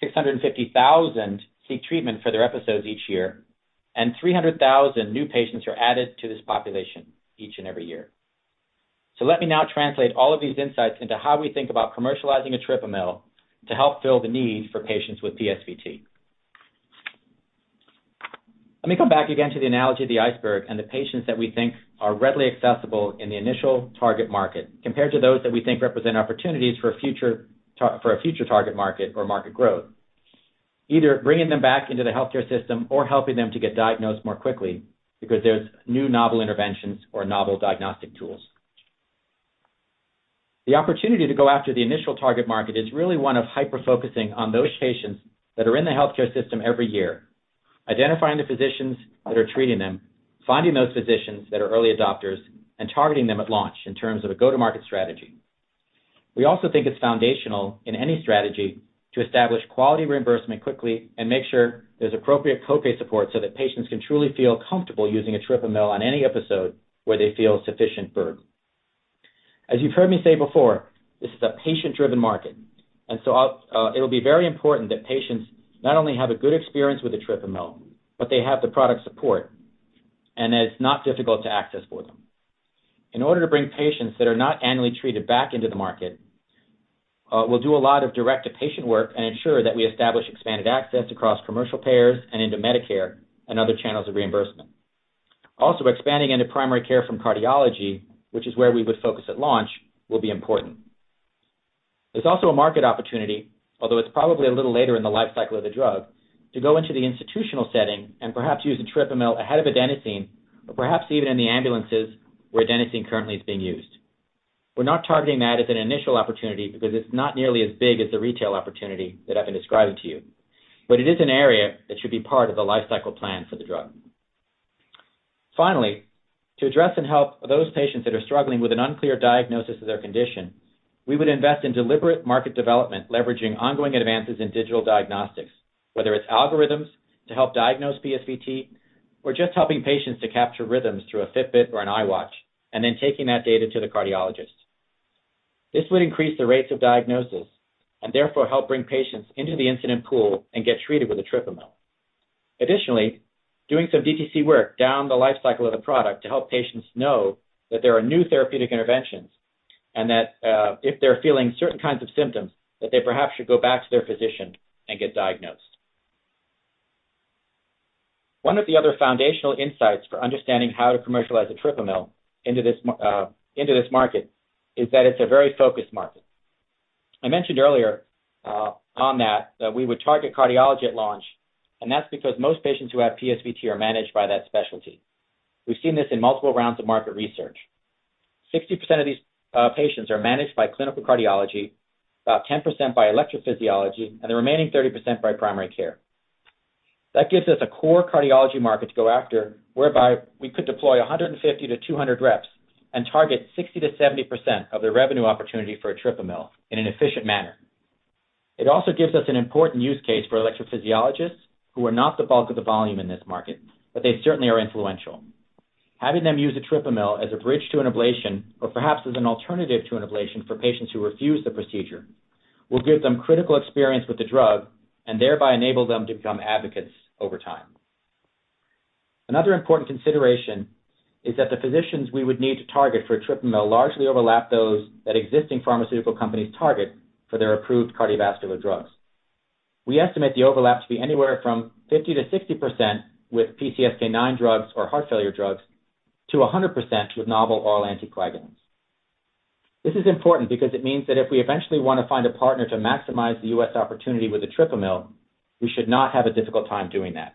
650,000 seek treatment for their episodes each year, and 300,000 new patients are added to this population each and every year. Let me now translate all of these insights into how we think about commercializing etripamil to help fill the need for patients with PSVT. Let me come back again to the analogy of the iceberg and the patients that we think are readily accessible in the initial target market compared to those that we think represent opportunities for a future target market or market growth, either bringing them back into the healthcare system or helping them to get diagnosed more quickly because there's new novel interventions or novel diagnostic tools. The opportunity to go after the initial target market is really one of hyper-focusing on those patients that are in the healthcare system every year, identifying the physicians that are treating them, finding those physicians that are early adopters, and targeting them at launch in terms of a go-to-market strategy. We also think it's foundational in any strategy to establish quality reimbursement quickly and make sure there's appropriate co-pay support so that patients can truly feel comfortable using etripamil on any episode where they feel sufficient burn. As you've heard me say before, this is a patient-driven market, and so I'll, it'll be very important that patients not only have a good experience with etripamil, but they have the product support and that it's not difficult to access for them. In order to bring patients that are not annually treated back into the market, we'll do a lot of direct-to-patient work and ensure that we establish expanded access across commercial payers and into Medicare and other channels of reimbursement. Also, expanding into primary care from cardiology, which is where we would focus at launch, will be important. There's also a market opportunity, although it's probably a little later in the life cycle of the drug, to go into the institutional setting and perhaps use etripamil ahead of adenosine or perhaps even in the ambulances where adenosine currently is being used. We're not targeting that as an initial opportunity because it's not nearly as big as the retail opportunity that I've been describing to you, but it is an area that should be part of the life cycle plan for the drug. Finally, to address and help those patients that are struggling with an unclear diagnosis of their condition, we would invest in deliberate market development, leveraging ongoing advances in digital diagnostics, whether it's algorithms to help diagnose PSVT or just helping patients to capture rhythms through a Fitbit or an Apple Watch, and then taking that data to the cardiologist. This would increase the rates of diagnosis and therefore help bring patients into the incident pool and get treated with etripamil. Additionally, doing some DTC work down the life cycle of the product to help patients know that there are new therapeutic interventions and that, if they're feeling certain kinds of symptoms, that they perhaps should go back to their physician and get diagnosed. One of the other foundational insights for understanding how to commercialize etripamil into this market is that it's a very focused market. I mentioned earlier, on that we would target cardiology at launch, and that's because most patients who have PSVT are managed by that specialty. We've seen this in multiple rounds of market research. 60% of these patients are managed by clinical cardiology, about 10% by electrophysiology, and the remaining 30% by primary care. That gives us a core cardiology market to go after whereby we could deploy 150-200 reps and target 60%-70% of the revenue opportunity for etripamil in an efficient manner. It also gives us an important use case for electrophysiologists who are not the bulk of the volume in this market, but they certainly are influential. Having them use etripamil as a bridge to an ablation, or perhaps as an alternative to an ablation for patients who refuse the procedure, will give them critical experience with the drug and thereby enable them to become advocates over time. Another important consideration is that the physicians we would need to target for etripamil largely overlap those that existing pharmaceutical companies target for their approved cardiovascular drugs. We estimate the overlap to be anywhere from 50% to 60% with PCSK9 drugs or heart failure drugs, to 100% with novel oral anticoagulants. This is important because it means that if we eventually want to find a partner to maximize the US opportunity with etripamil, we should not have a difficult time doing that.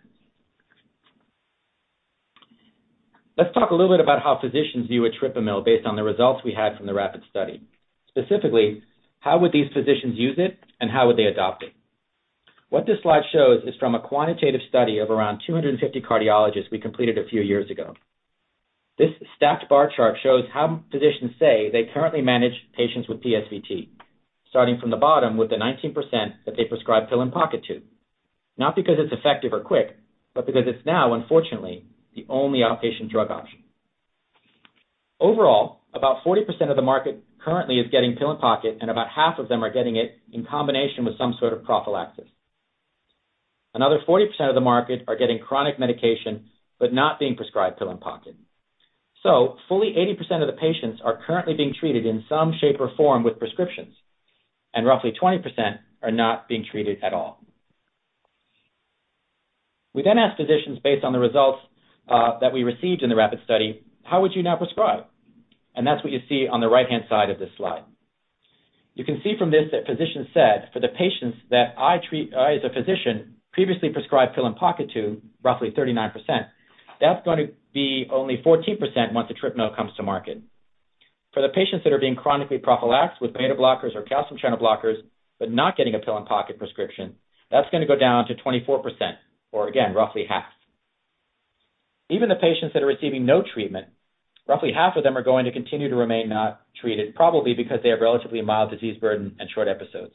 Let's talk a little bit about how physicians view etripamil based on the results we had from the RAPID study. Specifically, how would these physicians use it and how would they adopt it? What this slide shows is from a quantitative study of around 250 cardiologists we completed a few years ago. This stacked bar chart shows how physicians say they currently manage patients with PSVT, starting from the bottom with the 19% that they prescribe pill-in-pocket to, not because it's effective or quick, but because it's now unfortunately the only outpatient drug option. Overall, about 40% of the market currently is getting pill-in-pocket, and about half of them are getting it in combination with some sort of prophylaxis. Another 40% of the market are getting chronic medication but not being prescribed pill-in-pocket. Fully 80% of the patients are currently being treated in some shape or form with prescriptions, and roughly 20% are not being treated at all. We asked physicians based on the results that we received in the RAPID study, how would you now prescribe? That's what you see on the right-hand side of this slide. You can see from this that physicians said, for the patients that I as a physician previously prescribed pill-in-the-pocket to roughly 39%, that's going to be only 14% once etripamil comes to market. For the patients that are being chronically prophylaxed with beta blockers or calcium channel blockers, but not getting a pill-in-the-pocket prescription, that's gonna go down to 24%, or again, roughly half. Even the patients that are receiving no treatment, roughly half of them are going to continue to remain not treated, probably because they have relatively mild disease burden and short episodes.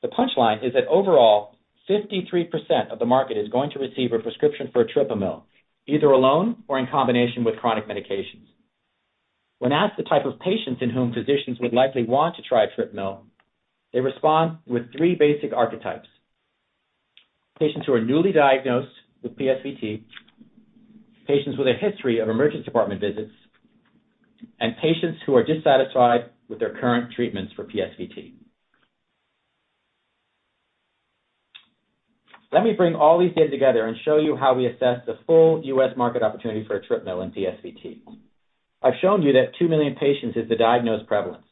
The punchline is that overall, 53% of the market is going to receive a prescription for etripamil, either alone or in combination with chronic medications. When asked the type of patients in whom physicians would likely want to try etripamil, they respond with three basic archetypes: patients who are newly diagnosed with PSVT, patients with a history of emergency department visits, and patients who are dissatisfied with their current treatments for PSVT. Let me bring all these data together and show you how we assess the full U.S. market opportunity for etripamil in PSVT. I've shown you that 2 million patients is the diagnosed prevalence.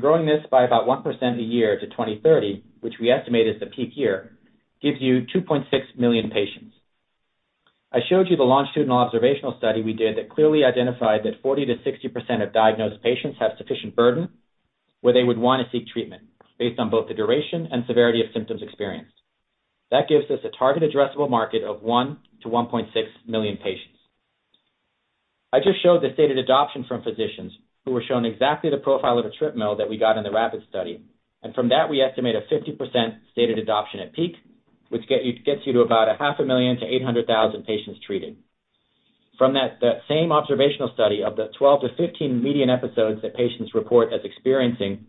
Growing this by about 1% a year to 2030, which we estimate is the peak year, gives you 2.6 million patients. I showed you the longitudinal observational study we did that clearly identified that 40%-60% of diagnosed patients have sufficient burden where they would wanna seek treatment based on both the duration and severity of symptoms experienced. That gives us a target addressable market of 1 to 1.6 million patients. I just showed the stated adoption from physicians who were shown exactly the profile of etripamil that we got in the RAPID study. From that, we estimate a 50% stated adoption at peak, which gets you to about a half a million to 800,000 patients treated. From that same observational study of the 12 to 15 median episodes that patients report as experiencing,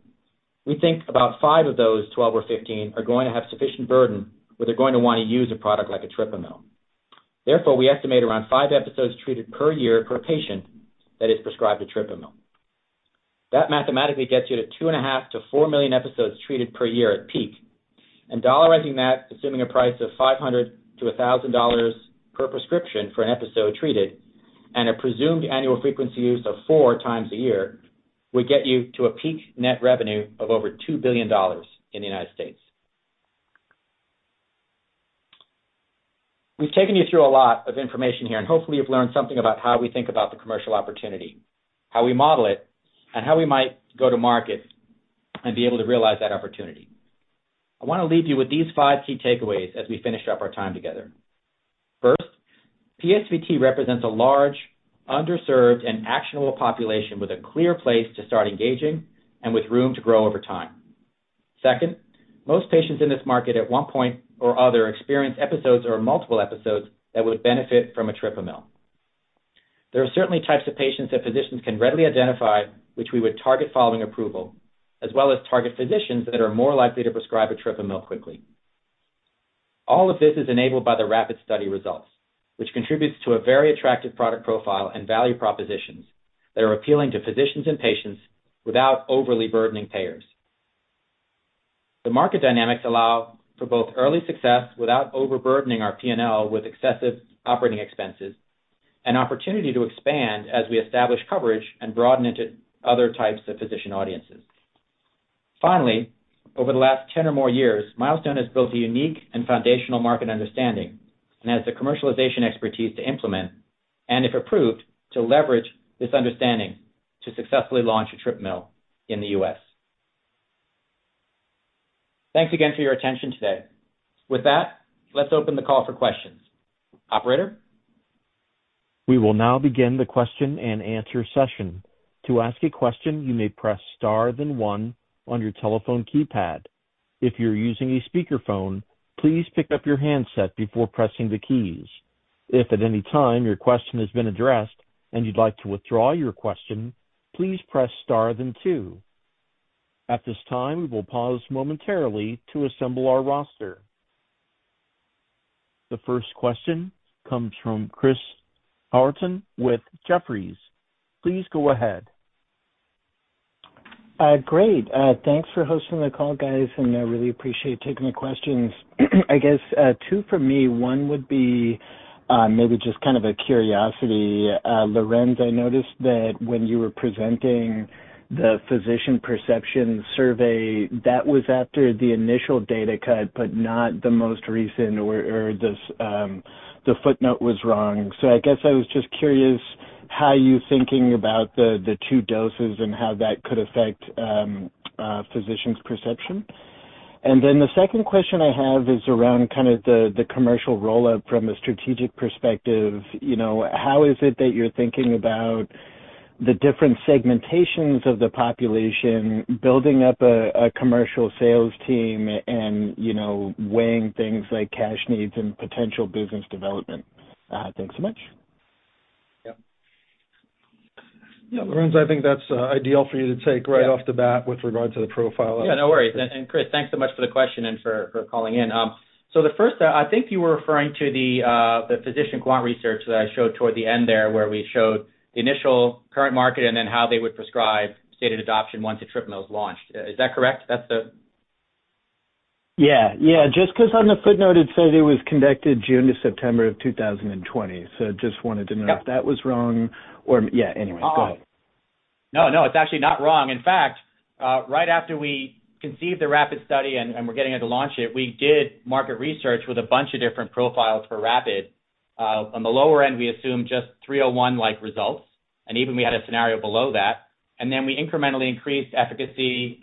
we think about five of those 12 or 15 are going to have sufficient burden, where they're going to wanna use a product like etripamil. Therefore, we estimate around five episodes treated per year per patient that is prescribed etripamil. That mathematically gets you to 2.5 to 4 million episodes treated per year at peak. Dollarizing that, assuming a price of $500-$1,000 per prescription for an episode treated and a presumed annual frequency use of four times a year, would get you to a peak net revenue of over $2 billion in the United States. We've taken you through a lot of information here, and hopefully you've learned something about how we think about the commercial opportunity, how we model it, and how we might go to market and be able to realize that opportunity. I wanna leave you with these five key takeaways as we finish up our time together. First, PSVT represents a large, underserved, and actionable population with a clear place to start engaging and with room to grow over time. Second, most patients in this market at one point or other experience episodes or multiple episodes that would benefit from etripamil. There are certainly types of patients that physicians can readily identify, which we would target following approval, as well as target physicians that are more likely to prescribe etripamil quickly. All of this is enabled by the RAPID study results, which contributes to a very attractive product profile and value propositions that are appealing to physicians and patients without overly burdening payers. The market dynamics allow for both early success without overburdening our P&L with excessive operating expenses and opportunity to expand as we establish coverage and broaden into other types of physician audiences. Over the last 10 or more years, Milestone has built a unique and foundational market understanding and has the commercialization expertise to implement, and if approved, to leverage this understanding to successfully launch etripamil in the U.S. Thanks again for your attention today. With that, let's open the call for questions. Operator? We will now begin the question and answer session. To ask a question, you may press star then one on your telephone keypad. If you're using a speakerphone, please pick up your handset before pressing the keys. If at any time your question has been addressed and you'd like to withdraw your question, please press star then two. At this time, we will pause momentarily to assemble our roster. The first question comes from Chris Howerton with Jefferies. Please go ahead. Great. Thanks for hosting the call, guys, and I really appreciate taking the questions. I guess two from me. One would be maybe just kind of a curiosity. Lorenz, I noticed that when you were presenting the physician perception survey, that was after the initial data cut, but not the most recent or the footnote was wrong. I guess I was just curious how you're thinking about the two doses and how that could affect physicians' perception. Then the second question I have is around kind of the commercial rollout from a strategic perspective. You know, how is it that you're thinking about the different segmentations of the population, building up a commercial sales team and, you know, weighing things like cash needs and potential business development? Thanks so much. Yeah. Lorenz, I think that's ideal for you to take right off the bat with regard to the profile. Yeah, no worries. Chris, thanks so much for the question for calling in. The first, I think you were referring to the physician quant research that I showed toward the end there, where we showed the initial current market and then how they would prescribe stated adoption once etrip was launched. Is that correct? Yeah. Yeah. Just 'cause on the footnote it says it was conducted June to September 2020. Just wanted to know. Yep. if that was wrong or yeah, anyway. Go ahead. No, no, it's actually not wrong. In fact, right after we conceived the RAPID study and we're getting it to launch it, we did market research with a bunch of different profiles for RAPID. On the lower end, we assumed just 301 like results, and even we had a scenario below that. Then we incrementally increased efficacy,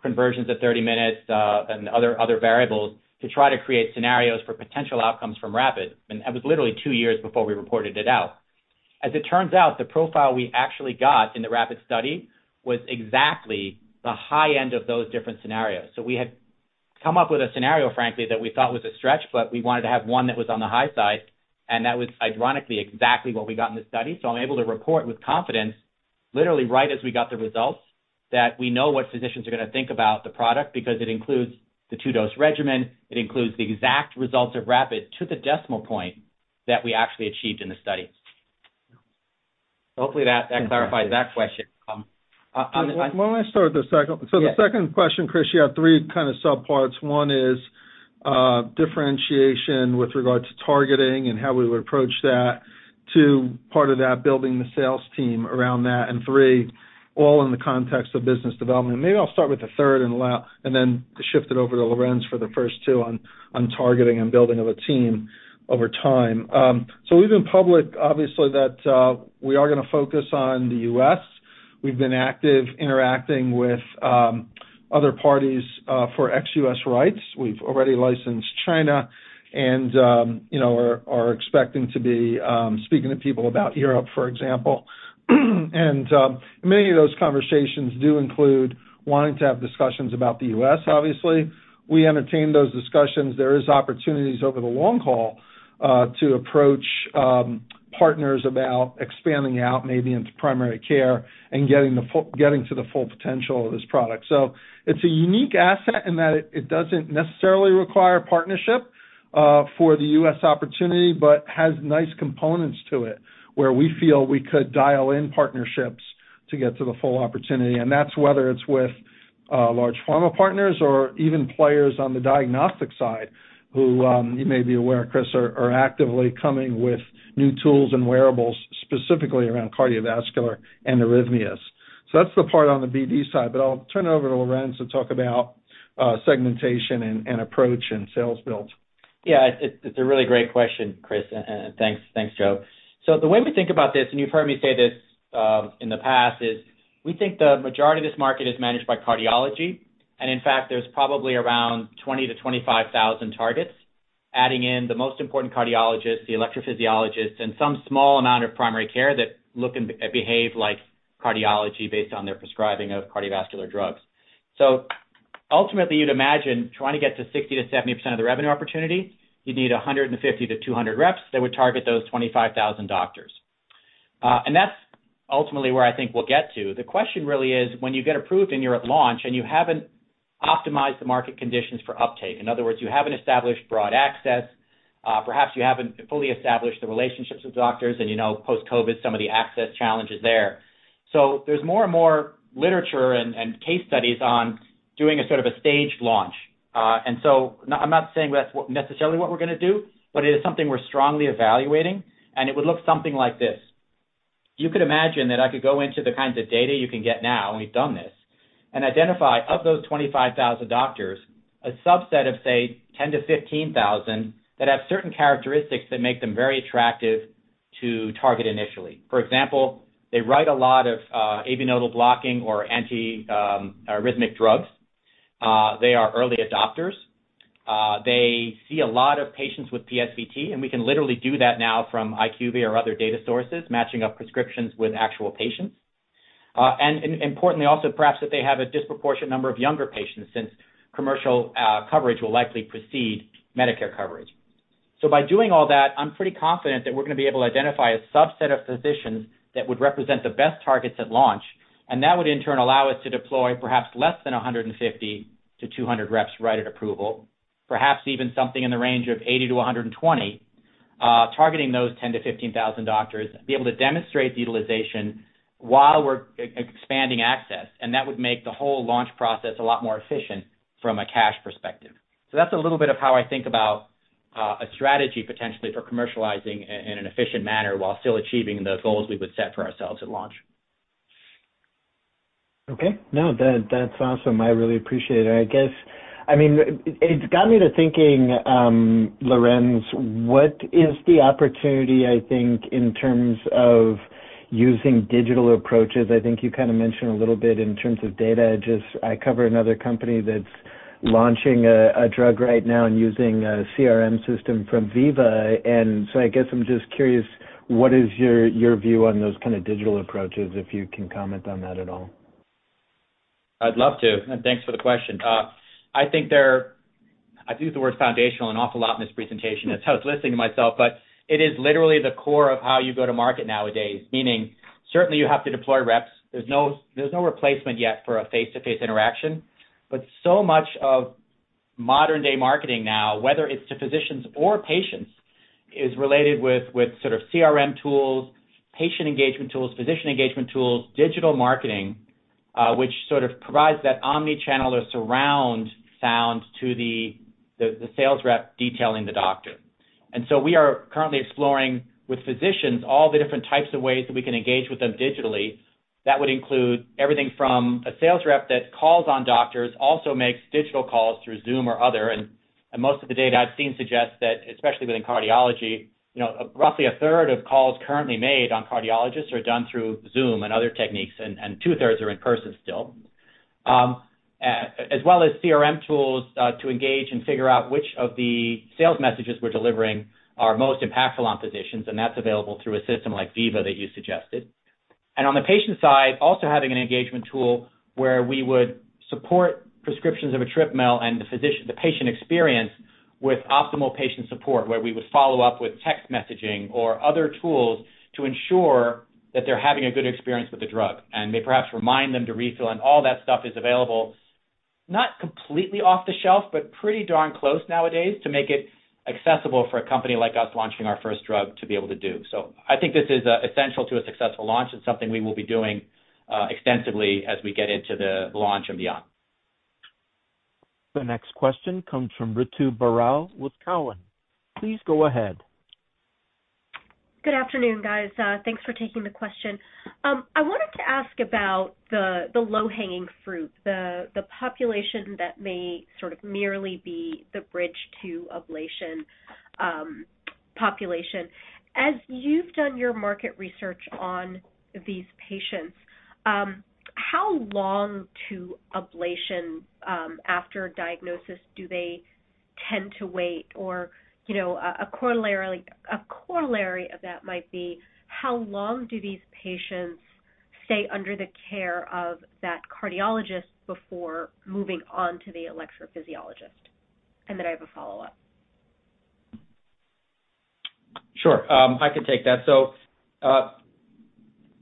conversions at 30 minutes, and other variables to try to create scenarios for potential outcomes from RAPID. That was literally two years before we reported it out. As it turns out, the profile we actually got in the RAPID study was exactly the high end of those different scenarios. We had come up with a scenario, frankly, that we thought was a stretch, but we wanted to have one that was on the high side, and that was ironically exactly what we got in this study. I'm able to report with confidence, literally right as we got the results, that we know what physicians are gonna think about the product because it includes the two-dose regimen. It includes the exact results of RAPID to the decimal point that we actually achieved in the study. Hopefully that clarifies that question. Why don't I start the second question, Chris, you have three kind of sub-parts. One is differentiation with regard to targeting and how we would approach that. Two, part of that, building the sales team around that, and three, all in the context of business development. Maybe I'll start with the third and then shift it over to Lorenz for the first two on targeting and building of a team over time. We've been public, obviously that we are going to focus on the U.S.. We've been active interacting with other parties for ex-US rights. We've already licensed China and, you know, are expecting to be speaking to people about Europe, for example. Many of those conversations do include wanting to have discussions about the U.S., obviously. We entertain those discussions. There is opportunities over the long call to approach partners about expanding out maybe into primary care and getting to the full potential of this product. It's a unique asset in that it doesn't necessarily require partnership for the US opportunity, but has nice components to it, where we feel we could dial in partnerships to get to the full opportunity. That's whether it's with large pharma partners or even players on the diagnostic side who you may be aware, Chris, are actively coming with new tools and wearables specifically around cardiovascular and arrhythmias. That's the part on the BD side, but I'll turn it over to Lorenz to talk about segmentation and approach and sales build. Yeah. It's a really great question, Chris, and thanks. Thanks, Joe. The way we think about this, and you've heard me say this in the past, is we think the majority of this market is managed by cardiology. In fact, there's probably around 20,000-25,000 targets adding in the most important cardiologists, the electrophysiologists, and some small amount of primary care that look and behave like cardiology based on their prescribing of cardiovascular drugs. Ultimately, you'd imagine trying to get to 60%-70% of the revenue opportunity, you'd need 150-200 reps that would target those 25,000 doctors. That's ultimately where I think we'll get to. The question really is, when you get approved and you're at launch and you haven't optimized the market conditions for uptake, in other words, you haven't established broad access, perhaps you haven't fully established the relationships with doctors and, you know, post-COVID, some of the access challenges there. There's more and more literature and case studies on doing a sort of a staged launch. I'm not saying that's necessarily what we're gonna do, but it is something we're strongly evaluating, and it would look something like this. You could imagine that I could go into the kinds of data you can get now, and we've done this, and identify of those 25,000 doctors, a subset of, say, 10,000-15,000 that have certain characteristics that make them very attractive to target initially. For example, they write a lot of AV nodal blocking or anti-arrhythmic drugs. They are early adopters. They see a lot of patients with PSVT, and we can literally do that now from IQVIA or other data sources, matching up prescriptions with actual patients. Importantly also perhaps that they have a disproportionate number of younger patients since commercial coverage will likely precede Medicare coverage. By doing all that, I'm pretty confident that we're gonna be able to identify a subset of physicians that would represent the best targets at launch, that would in turn allow us to deploy perhaps less than 150-200 reps right at approval, perhaps even something in the range of 80-120, targeting those 10,000-15,000 doctors, be able to demonstrate the utilization while we're expanding access. That would make the whole launch process a lot more efficient from a cash perspective. That's a little bit of how I think about a strategy potentially for commercializing in an efficient manner while still achieving the goals we would set for ourselves at launch. Okay. No, that's awesome. I really appreciate it. I guess I mean it's got me to thinking, Lorenz, what is the opportunity, I think, in terms of using digital approaches? I think you kind of mentioned a little bit in terms of data. Just I cover another company that's launching a drug right now and using a CRM system from Veeva. I guess I'm just curious, what is your view on those kind of digital approaches, if you can comment on that at all? I'd love to, and thanks for the question. I've used the word foundational an awful lot in this presentation. That's how I was listening to myself, but it is literally the core of how you go to market nowadays. Meaning, certainly you have to deploy reps. There's no replacement yet for a face-to-face interaction. So much of modern-day marketing now, whether it's to physicians or patients, is related with sort of CRM tools, patient engagement tools, physician engagement tools, digital marketing, which sort of provides that omnichannel or surround sound to the sales rep detailing the doctor. We are currently exploring with physicians all the different types of ways that we can engage with them digitally. That would include everything from a sales rep that calls on doctors, also makes digital calls through Zoom or other. Most of the data I've seen suggests that, especially within cardiology, you know, roughly a third of calls currently made on cardiologists are done through Zoom and other techniques, and two-thirds are in person still. As well as CRM tools to engage and figure out which of the sales messages we're delivering are most impactful on physicians, and that's available through a system like Veeva that you suggested. On the patient side, also having an engagement tool where we would support prescriptions of etripamil and the patient experience with optimal patient support, where we would follow up with text messaging or other tools to ensure that they're having a good experience with the drug. May perhaps remind them to refill, and all that stuff is available, not completely off the shelf, but pretty darn close nowadays to make it accessible for a company like us launching our first drug to be able to do. I think this is essential to a successful launch. It's something we will be doing extensively as we get into the launch and beyond. The next question comes from Ritu Baral with Cowen. Please go ahead. Good afternoon, guys. Thanks for taking the question. I wanted to ask about the low-hanging fruit, the population that may sort of merely be the bridge to ablation, population. As you've done your market research on these patients, how long to ablation after diagnosis do they tend to wait? Or, you know, a corollary of that might be, how long do these patients stay under the care of that cardiologist before moving on to the electrophysiologist? I have a follow-up. Sure. I can take that.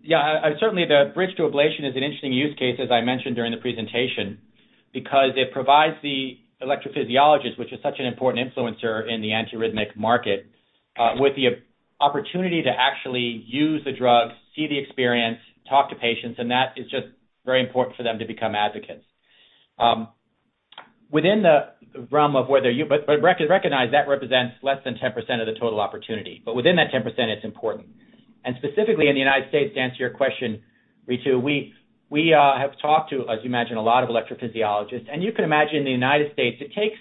Yeah, certainly the bridge to ablation is an interesting use case, as I mentioned during the presentation, because it provides the electrophysiologist, which is such an important influencer in the antiarrhythmic market, with the opportunity to actually use the drug, see the experience, talk to patients, and that is just very important for them to become advocates. Within the realm of whether Recognize that represents less than 10% of the total opportunity, but within that 10%, it's important. Specifically in the United States, to answer your question, Ritu, we have talked to, as you imagine, a lot of electrophysiologists, and you can imagine in the United States it takes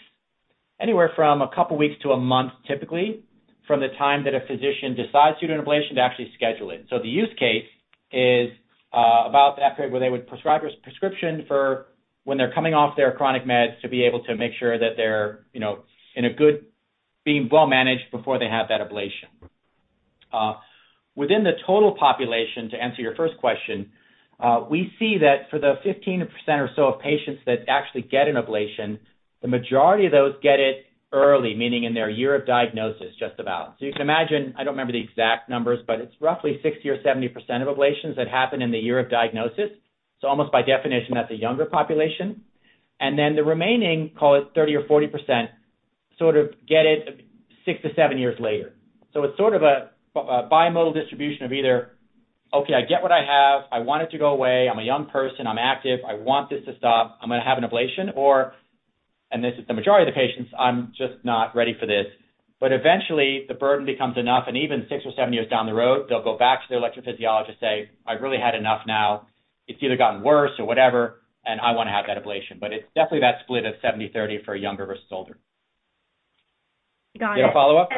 anywhere from a couple weeks to a month, typically, from the time that a physician decides to do an ablation to actually schedule it. The use case is about that period where they would prescribe a prescription for when they're coming off their chronic meds to be able to make sure that they're, you know, being well managed before they have that ablation. Within the total population, to answer your first question, we see that for the 15% or so of patients that actually get an ablation, the majority of those get it early, meaning in their year of diagnosis, just about. You can imagine, I don't remember the exact numbers, but it's roughly 60% or 70% of ablations that happen in the year of diagnosis. Almost by definition, that's a younger population. Then the remaining, call it 30% or 40%, sort of get it 6-7 years later. It's sort of a bimodal distribution of either, "Okay, I get what I have. I want it to go away. I'm a young person. I'm active. I want this to stop. I'm gonna have an ablation," or, and this is the majority of the patients, "I'm just not ready for this." Eventually, the burden becomes enough, and even six or seven years down the road, they'll go back to their electrophysiologist, say, "I've really had enough now. It's either gotten worse or whatever, and I wanna have that ablation." It's definitely that split of 70/30 for younger versus older. Got it. You have a follow-up?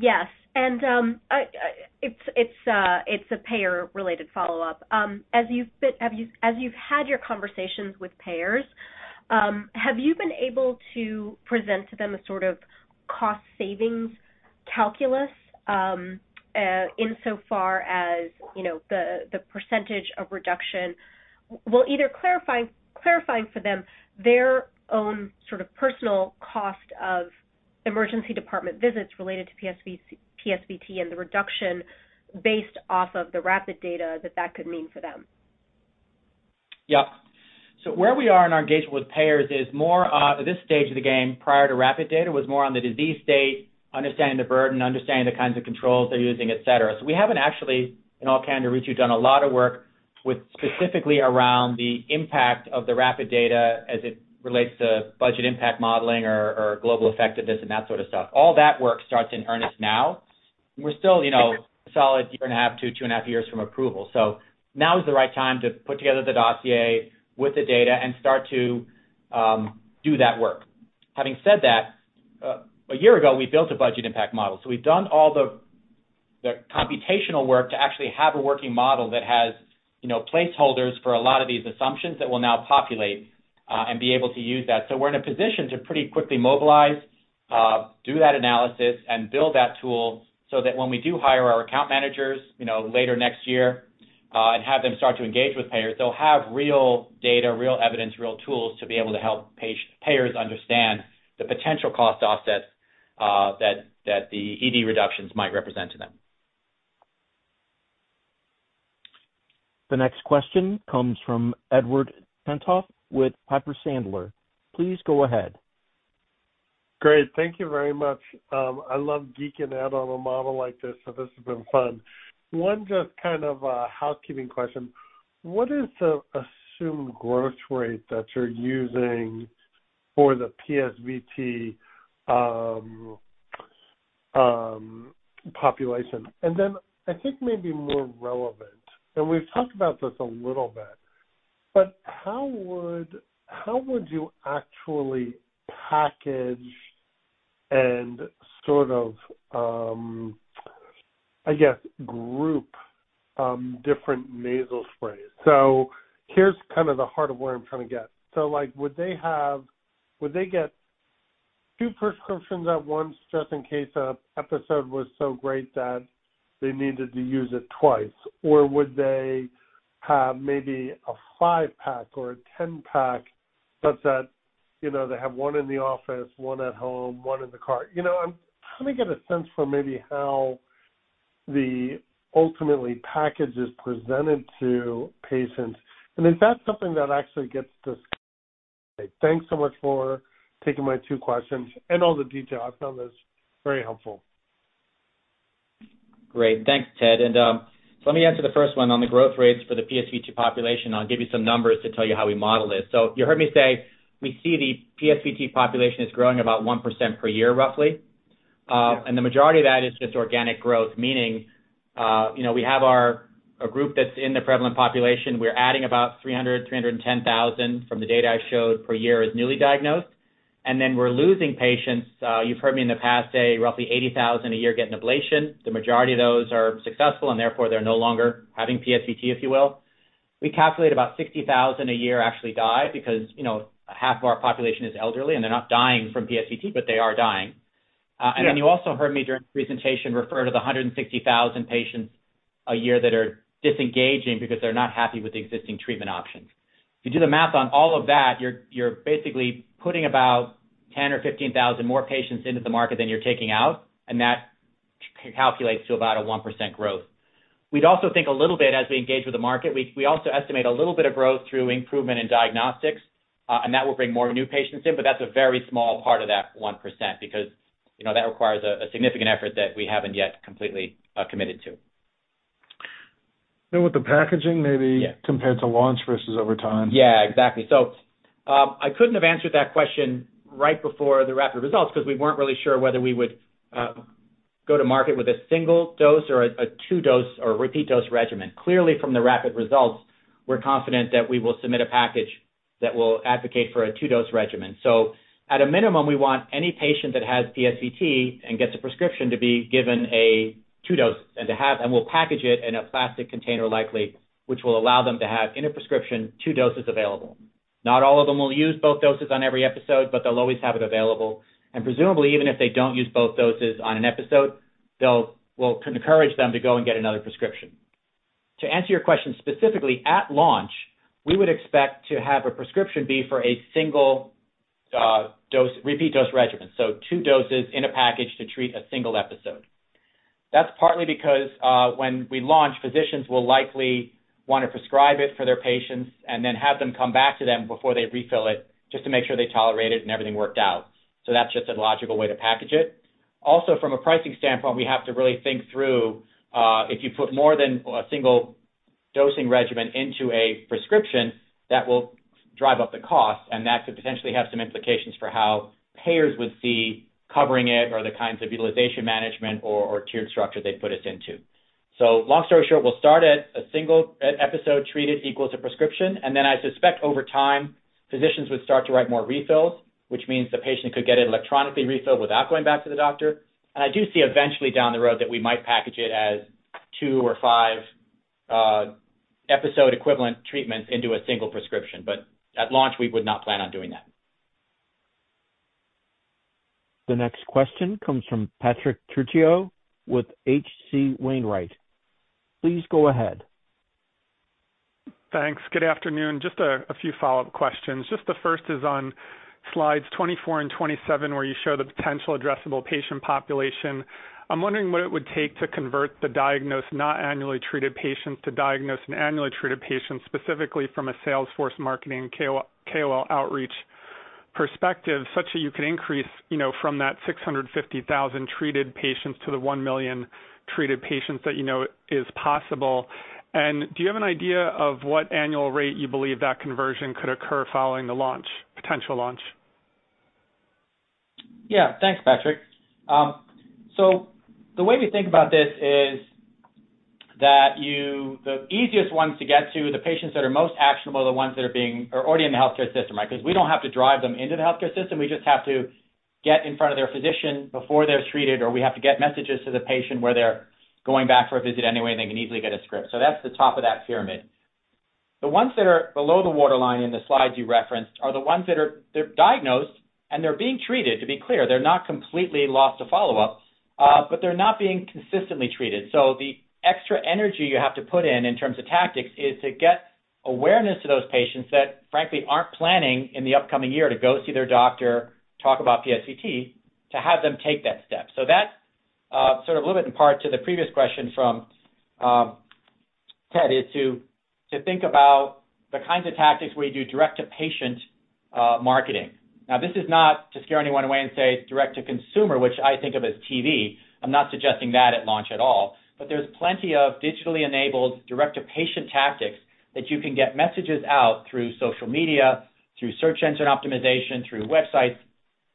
Yes. It's a payer related follow-up. As you've had your conversations with payers, have you been able to present to them a sort of cost savings calculus insofar as, you know, the percentage of reduction will either clarify, clarifying for them their own sort of personal cost of emergency department visits related to PSVT and the reduction based off of the RAPID data that could mean for them? Yeah. Where we are in our engagement with payers is more at this stage of the game, prior to rapid data, was more on the disease state, understanding the burden, understanding the kinds of controls they're using, et cetera. We haven't actually, in all candor, Ritu, done a lot of work with specifically around the impact of the rapid data as it relates to budget impact modeling or global effectiveness and that sort of stuff. All that work starts in earnest now. We're still, you know, a solid one and a half to two and a half years from approval. Now is the right time to put together the dossier with the data and start to do that work. Having said that, a year ago, we built a budget impact model. We've done all the computational work to actually have a working model that has, you know, placeholders for a lot of these assumptions that we'll now populate and be able to use that. We're in a position to pretty quickly mobilize, do that analysis and build that tool so that when we do hire our account managers, you know, later next year, and have them start to engage with payers, they'll have real data, real evidence, real tools to be able to help payers understand the potential cost offsets that the ED reductions might represent to them. The next question comes from Edward Tenthoff with Piper Sandler. Please go ahead. Great. Thank you very much. I love geeking out on a model like this has been fun. One just kind of housekeeping question. What is the assumed growth rate that you're using for the PSVT population? I think maybe more relevant, we've talked about this a little bit, how would you actually package and sort of, I guess, group different nasal sprays? Here's kind of the heart of where I'm trying to get. Would they get two prescriptions at once just in case an episode was so great that they needed to use it twice? Would they have maybe a five pack or a 10 pack such that, you know, they have one in the office, one at home, one in the car? You know, I'm trying to get a sense for maybe how the ultimately package is presented to patients, and if that's something that actually gets discussed. Thanks so much for taking my two questions and all the detail. I found this very helpful. Great. Thanks, Ted. Let me answer the first one. On the growth rates for the PSVT population, I'll give you some numbers to tell you how we model this. You heard me say we see the PSVT population is growing about 1% per year, roughly. Yeah. The majority of that is just organic growth, meaning, you know, we have a group that's in the prevalent population. We're adding about 310,000 from the data I showed per year as newly diagnosed. Then we're losing patients, you've heard me in the past say roughly 80,000 a year getting ablation. The majority of those are successful and therefore they're no longer having PSVT, if you will. We calculate about 60,000 a year actually die because, you know, half of our population is elderly and they're not dying from PSVT, but they are dying. Yeah. You also heard me during the presentation refer to the 160,000 patients a year that are disengaging because they're not happy with the existing treatment options. If you do the math on all of that, you're basically putting about 10,000 or 15,000 more patients into the market than you're taking out, and that calculates to about a 1% growth. We'd also think a little bit as we engage with the market, we also estimate a little bit of growth through improvement in diagnostics, and that will bring more new patients in. That's a very small part of that 1% because, you know, that requires a significant effort that we haven't yet completely committed to. With the packaging. Yeah. compared to launch versus over time. Yeah, exactly. I couldn't have answered that question right before the RAPID results because we weren't really sure whether we would go to market with a single dose or a two dose or repeat dose regimen. Clearly, from the RAPID results, we're confident that we will submit a package that will advocate for a two-dose regimen. At a minimum, we want any patient that has PSVT and gets a prescription to be given a two dose. We'll package it in a plastic container likely, which will allow them to have in a prescription two doses available. Not all of them will use both doses on every episode, but they'll always have it available. Presumably, even if they don't use both doses on an episode, we'll encourage them to go and get another prescription. To answer your question specifically, at launch, we would expect to have a prescription be for a single, dose, repeat dose regimen, so two doses in a package to treat a single episode. That's partly because, when we launch, physicians will likely wanna prescribe it for their patients and then have them come back to them before they refill it just to make sure they tolerate it and everything worked out. That's just a logical way to package it. From a pricing standpoint, we have to really think through, if you put more than a single dosing regimen into a prescription, that will drive up the cost, and that could potentially have some implications for how payers would see covering it or the kinds of utilization management or tiered structure they'd put us into. Long story short, we'll start at a single e-episode treated equals a prescription, and then I suspect over time, physicians would start to write more refills, which means the patient could get it electronically refilled without going back to the doctor. I do see eventually down the road that we might package it as two or five episode equivalent treatments into a single prescription. At launch, we would not plan on doing that. The next question comes from Patrick Trucchio with H.C. Wainwright. Please go ahead. Thanks. Good afternoon. Just a few follow-up questions. Just the first is on slides 24 and 27, where you show the potential addressable patient population. I'm wondering what it would take to convert the diagnosed, not annually treated patients to diagnosed and annually treated patients, specifically from a sales force marketing KOL outreach perspective, such that you could increase, you know, from that 650,000 treated patients to the 1 million treated patients that you know is possible. Do you have an idea of what annual rate you believe that conversion could occur following the launch, potential launch? Thanks, Patrick. The way we think about this is that the easiest ones to get to, the patients that are most actionable are the ones that are already in the healthcare system, right? 'Cause we don't have to drive them into the healthcare system, we just have to get in front of their physician before they're treated, or we have to get messages to the patient where they're going back for a visit anyway, and they can easily get a script. That's the top of that pyramid. The ones that are below the waterline in the slides you referenced are the ones that are they're diagnosed and they're being treated. To be clear, they're not completely lost to follow-up, but they're not being consistently treated. The extra energy you have to put in terms of tactics is to get awareness to those patients that, frankly, aren't planning in the upcoming year to go see their doctor, talk about PSVT, to have them take that step. That's sort of a little bit in part to the previous question from Ted, is to think about the kinds of tactics where you do direct-to-patient marketing. This is not to scare anyone away and say direct to consumer, which I think of as TV. I'm not suggesting that at launch at all. There's plenty of digitally enabled direct-to-patient tactics that you can get messages out through social media, through search engine optimization, through websites,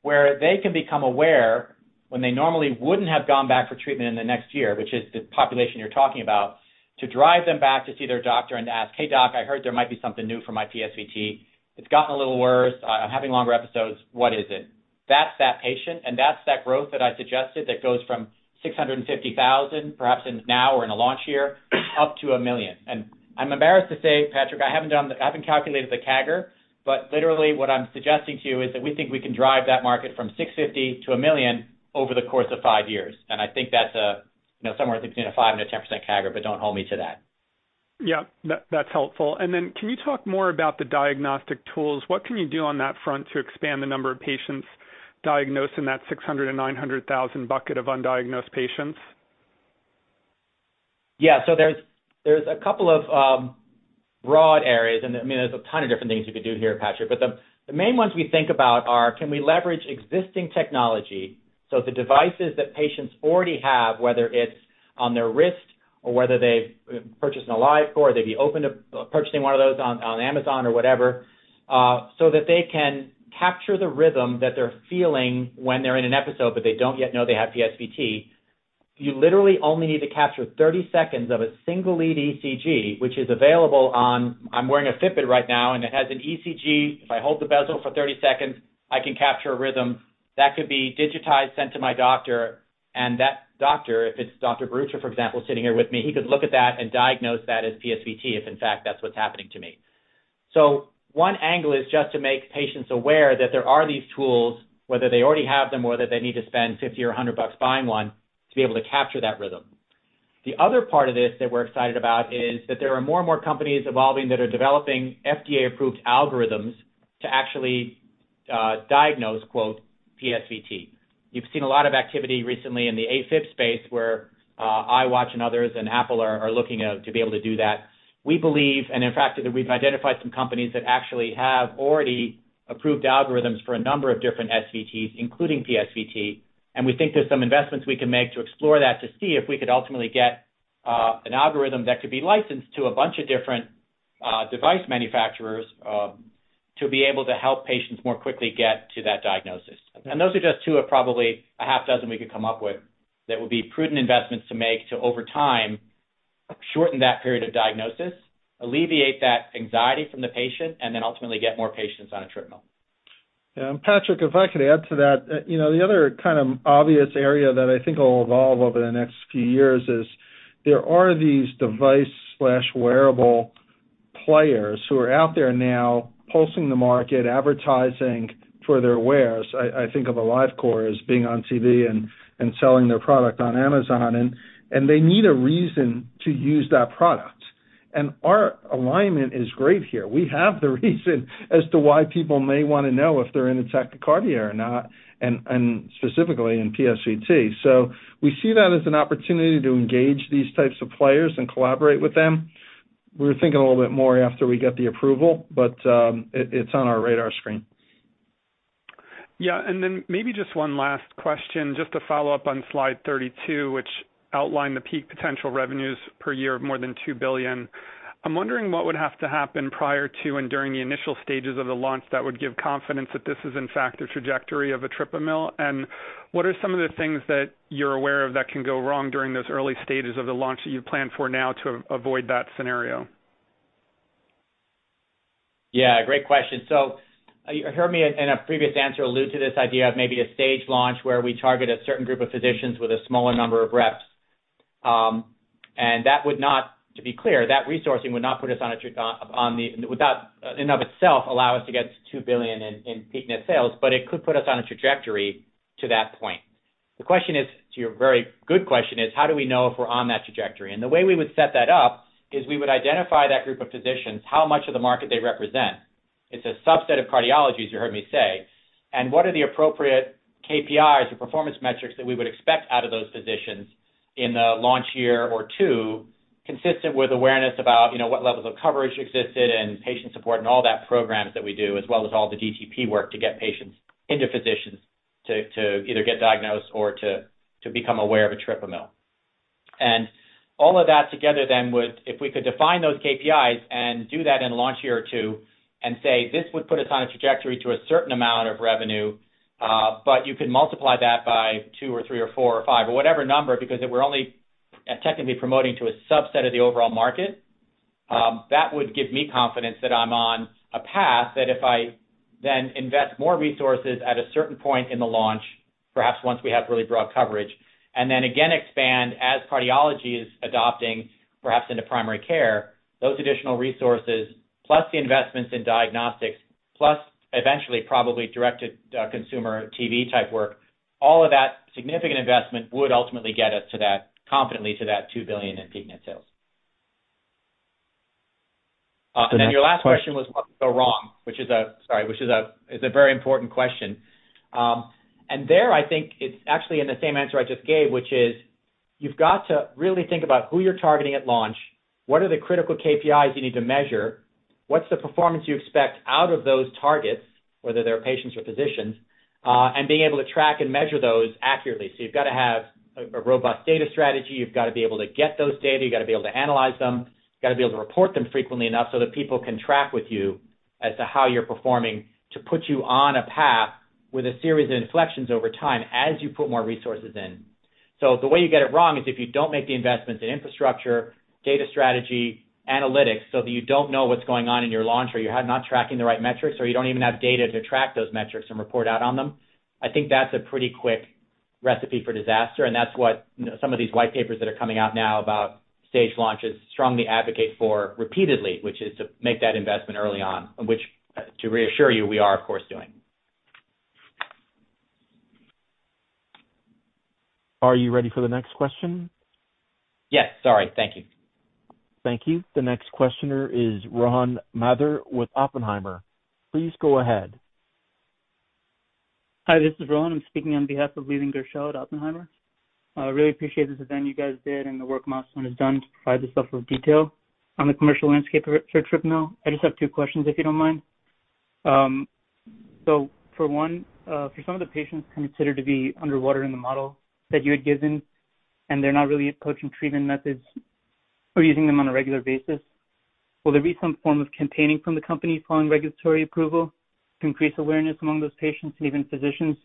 where they can become aware when they normally wouldn't have gone back for treatment in the next year, which is the population you're talking about, to drive them back to see their doctor and ask, "Hey, doc, I heard there might be something new for my PSVT. It's gotten a little worse. I'm having longer episodes. What is it?" That's that patient, and that's that growth that I suggested that goes from 650,000, perhaps in now or in a launch year, up to 1 million. I'm embarrassed to say, Patrick, I haven't calculated the CAGR, but literally what I'm suggesting to you is that we think we can drive that market from $650 to $1 million over the course of five years. I think that's a, you know, somewhere between a 5% and a 10% CAGR, but don't hold me to that. Yeah. That's helpful. Can you talk more about the diagnostic tools? What can you do on that front to expand the number of patients diagnosed in that 600,000-900,000 bucket of undiagnosed patients? Yeah. There's a couple of broad areas, I mean, there's a ton of different things you could do here, Patrick. The main ones we think about are, can we leverage existing technology? The devices that patients already have, whether it's on their wrist or whether they've purchased an AliveCor, they'd be open to purchasing one of those on Amazon or whatever, so that they can capture the rhythm that they're feeling when they're in an episode, but they don't yet know they have PSVT. You literally only need to capture 30 seconds of a single lead ECG, which is available on... I'm wearing a Fitbit right now, and it has an ECG. If I hold the bezel for 30 seconds, I can capture a rhythm that could be digitized, sent to my doctor, and that doctor, if it's Dr. Brucia, for example, sitting here with me, he could look at that and diagnose that as PSVT, if in fact that's what's happening to me. One angle is just to make patients aware that there are these tools, whether they already have them or whether they need to spend $50 or $100 buying one to be able to capture that rhythm. The other part of this that we're excited about is that there are more and more companies evolving that are developing FDA-approved algorithms to actually diagnose, quote, "PSVT." You've seen a lot of activity recently in the AFib space where Apple Watch and others and Apple are looking to be able to do that. We believe, and in fact, we've identified some companies that actually have already approved algorithms for a number of different SVTs, including PSVT. We think there's some investments we can make to explore that to see if we could ultimately get an algorithm that could be licensed to a bunch of different device manufacturers to be able to help patients more quickly get to that diagnosis. Those are just two of probably a half dozen we could come up with that would be prudent investments to make to, over time, shorten that period of diagnosis, alleviate that anxiety from the patient, and then ultimately get more patients on a treatment. Yeah. Patrick, if I could add to that. You know, the other kind of obvious area that I think will evolve over the next few years is there are these device/wearable players who are out there now pulsing the market, advertising for their wares. I think of AliveCor as being on TV and selling their product on Amazon, and they need a reason to use that product. Our alignment is great here. We have the reason as to why people may wanna know if they're in a tachycardia or not, and specifically in PSVT. We see that as an opportunity to engage these types of players and collaborate with them. We're thinking a little bit more after we get the approval, but it's on our radar screen. Yeah. Then maybe just one last question, just to follow up on slide 32, which outlined the peak potential revenues per year of more than $2 billion. I'm wondering what would have to happen prior to and during the initial stages of the launch that would give confidence that this is in fact a trajectory of etripamil. What are some of the things that you're aware of that can go wrong during those early stages of the launch that you plan for now to avoid that scenario? Great question. You heard me in a previous answer allude to this idea of maybe a stage launch where we target a certain group of physicians with a smaller number of reps. To be clear, that resourcing would not in of itself allow us to get to $2 billion in peak net sales, but it could put us on a trajectory to that point. The question is, to your very good question, is how do we know if we're on that trajectory? The way we would set that up is we would identify that group of physicians, how much of the market they represent. It's a subset of cardiology, as you heard me say. What are the appropriate KPIs or performance metrics that we would expect out of those physicians in the launch year or two, consistent with awareness about, you know, what levels of coverage existed and patient support and all that programs that we do, as well as all the DTP work to get patients into physicians to either get diagnosed or to become aware of etripamil. All of that together then would, if we could define those KPIs and do that in launch year or two and say, this would put us on a trajectory to a certain amount of revenue. You could multiply that by two or three or four or five or whatever number, because if we're only technically promoting to a subset of the overall market, that would give me confidence that I'm on a path that if I then invest more resources at a certain point in the launch, perhaps once we have really broad coverage, Then again expand as cardiology is adopting, perhaps into primary care, those additional resources, plus the investments in diagnostics, plus eventually probably directed consumer TV type work, all of that significant investment would ultimately get us confidently to that $2 billion in peak net sales. Your last question was, what could go wrong? Which is a very important question. There, I think it's actually in the same answer I just gave, which is you've got to really think about who you're targeting at launch. What are the critical KPIs you need to measure? What's the performance you expect out of those targets, whether they're patients or physicians, being able to track and measure those accurately. You've got to have a robust data strategy. You've got to be able to get those data. You've got to be able to analyze them. You've got to be able to report them frequently enough so that people can track with you as to how you're performing, to put you on a path with a series of inflections over time as you put more resources in. The way you get it wrong is if you don't make the investments in infrastructure, data strategy, analytics, so that you don't know what's going on in your launch, or you're not tracking the right metrics, or you don't even have data to track those metrics and report out on them. I think that's a pretty quick recipe for disaster, and that's what some of these white papers that are coming out now about stage launches strongly advocate for repeatedly, which is to make that investment early on, which, to reassure you, we are of course doing. Are you ready for the next question? Yes. Sorry. Thank you. Thank you. The next questioner is Rohan Mathur with Oppenheimer. Please go ahead. Hi, this is Rohan. I'm speaking on behalf of Leland Gershell at Oppenheimer. I really appreciate this event you guys did and the work you guys has done to provide the stuff of detail on the commercial landscape for etripamil. I just have two questions, if you don't mind. For one, for some of the patients considered to be underwater in the model that you had given, and they're not really approaching treatment methods or using them on a regular basis, will there be some form of campaigning from the company following regulatory approval to increase awareness among those patients and even physicians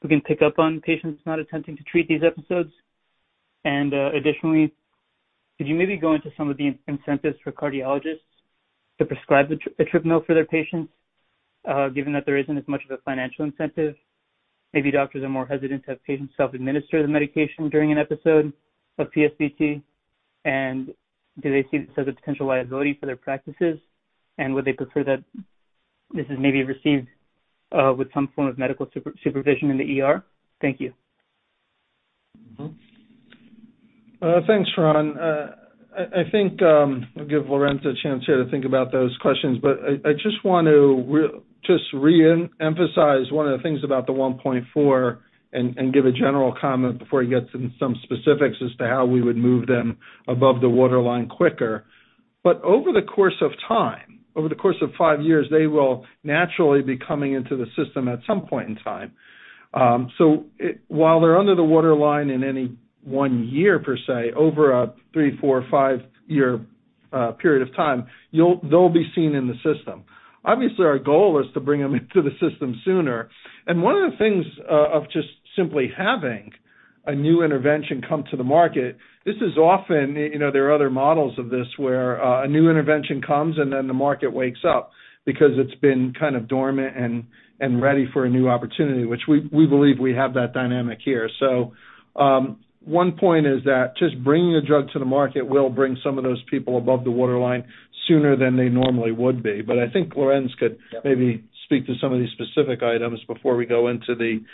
who can pick up on patients not attempting to treat these episodes? Additionally, could you maybe go into some of the incentives for cardiologists to prescribe the etripamil for their patients? Given that there isn't as much of a financial incentive, maybe doctors are more hesitant to have patients self-administer the medication during an episode of PSVT. Do they see this as a potential liability for their practices? Would they prefer that this is maybe received, with some form of medical supervision in the ER? Thank you. Mm-hmm. Thanks, Rohan. I think I'll give Lorenz a chance here to think about those questions, but I just want to re-emphasize one of the things about the 1.4 and give a general comment before he gets into some specifics as to how we would move them above the waterline quicker. Over the course of time, over the course of five years, they will naturally be coming into the system at some point in time. While they're under the waterline in any one year per se, over a 3, 4, 5-year period of time, they'll be seen in the system. Obviously, our goal is to bring them into the system sooner. One of the things of just simply having a new intervention come to the market, this is often, you know, there are other models of this where a new intervention comes and then the market wakes up because it's been kind of dormant and ready for a new opportunity, which we believe we have that dynamic here. One point is that just bringing a drug to the market will bring some of those people above the waterline sooner than they normally would be. I think Lorenz could maybe speak to some of these specific items before we go into the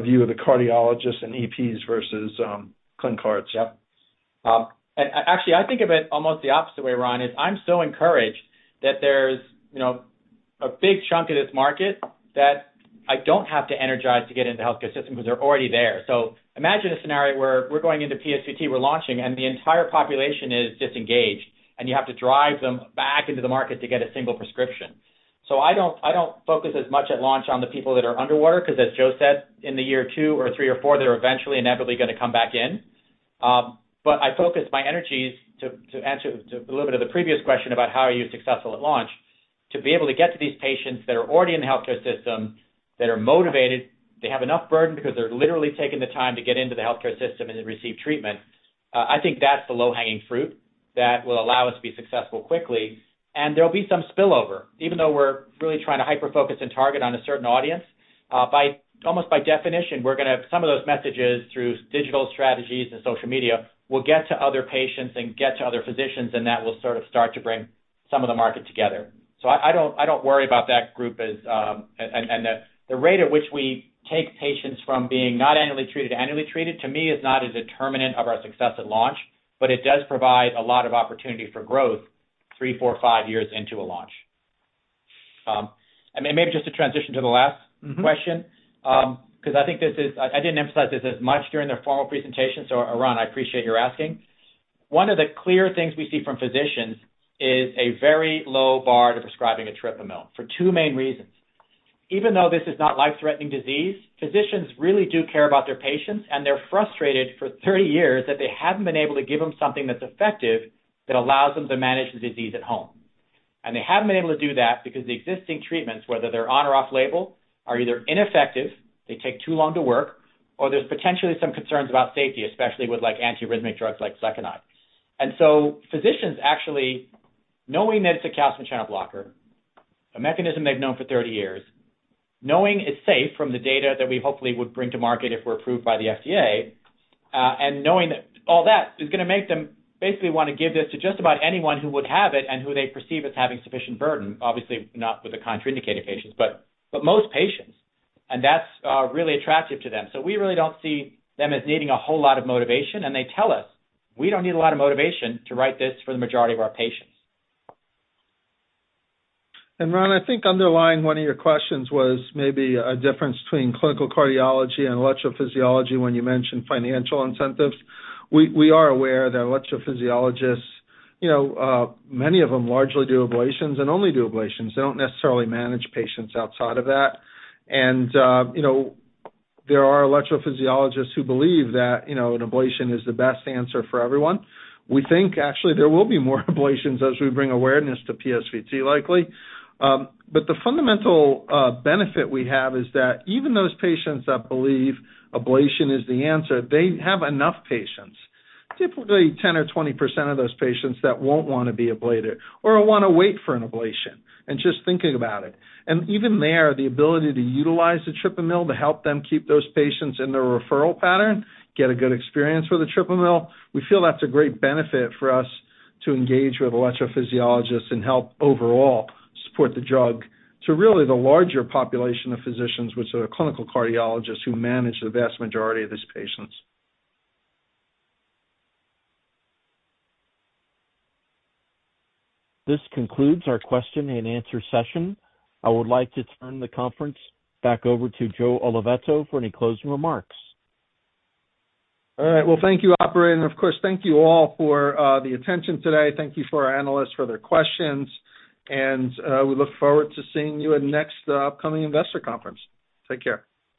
view of the cardiologists and EPs versus clin cards. Yep. Actually, I think of it almost the opposite way, Ron, is I'm so encouraged that there's, you know, a big chunk of this market that I don't have to energize to get into the healthcare system because they're already there. Imagine a scenario where we're going into PSVT, we're launching, and the entire population is disengaged, and you have to drive them back into the market to get a single prescription. So I don't, I don't focus as much at launch on the people that are underwater because as Joe said, in the year two or three or four, they're eventually inevitably gonna come back in. I focus my energies to answer to a little bit of the previous question about how are you successful at launch. To be able to get to these patients that are already in the healthcare system that are motivated, they have enough burden because they're literally taking the time to get into the healthcare system and receive treatment. I think that's the low hanging fruit that will allow us to be successful quickly. There'll be some spillover. Even though we're really trying to hyperfocus and target on a certain audience, by almost by definition, we're gonna have some of those messages through digital strategies and social media will get to other patients and get to other physicians. That will sort of start to bring some of the market together. I don't worry about that group as. The rate at which we take patients from being not annually treated to annually treated, to me, is not a determinant of our success at launch, but it does provide a lot of opportunity for growth three, four, five years into a launch. Maybe just to transition to the last question. Mm-hmm. 'Cause I think I didn't emphasize this as much during the formal presentation. Rohan, I appreciate your asking. One of the clear things we see from physicians is a very low bar to prescribing etripamil for two main reasons. Even though this is not life-threatening disease, physicians really do care about their patients, and they're frustrated for 30 years that they haven't been able to give them something that's effective that allows them to manage the disease at home. They haven't been able to do that because the existing treatments, whether they're on or off label are either ineffective, they take too long to work, or there's potentially some concerns about safety, especially with like antiarrhythmic drugs like sotalol. Physicians actually knowing that it's a calcium channel blocker, a mechanism they've known for 30 years, knowing it's safe from the data that we hopefully would bring to market if we're approved by the FDA, and knowing that all that is gonna make them basically wanna give this to just about anyone who would have it and who they perceive as having sufficient burden, obviously, not with the contraindicated patients, but most patients, and that's really attractive to them. We really don't see them as needing a whole lot of motivation, and they tell us, "We don't need a lot of motivation to write this for the majority of our patients. Ron, I think underlying one of your questions was maybe a difference between clinical cardiology and electrophysiology when you mentioned financial incentives. We are aware that electrophysiologists, you know, many of them largely do ablations and only do ablations. They don't necessarily manage patients outside of that. You know, there are electrophysiologists who believe that, you know, an ablation is the best answer for everyone. We think actually there will be more ablations as we bring awareness to PSVT likely. The fundamental benefit we have is that even those patients that believe ablation is the answer, they have enough patients, typically 10% or 20% of those patients that won't wanna be ablated or wanna wait for an ablation and just thinking about it. Even there, the ability to utilize etripamil to help them keep those patients in their referral pattern, get a good experience with etripamil, we feel that's a great benefit for us to engage with electrophysiologists and help overall support the drug to really the larger population of physicians, which are clinical cardiologists who manage the vast majority of these patients. This concludes our question and answer session. I would like to turn the conference back over to Joe Oliveto for any closing remarks. All right. Well, thank you, operator. Of course, thank you all for the attention today. Thank you for our analysts for their questions, and we look forward to seeing you at next upcoming investor conference. Take care.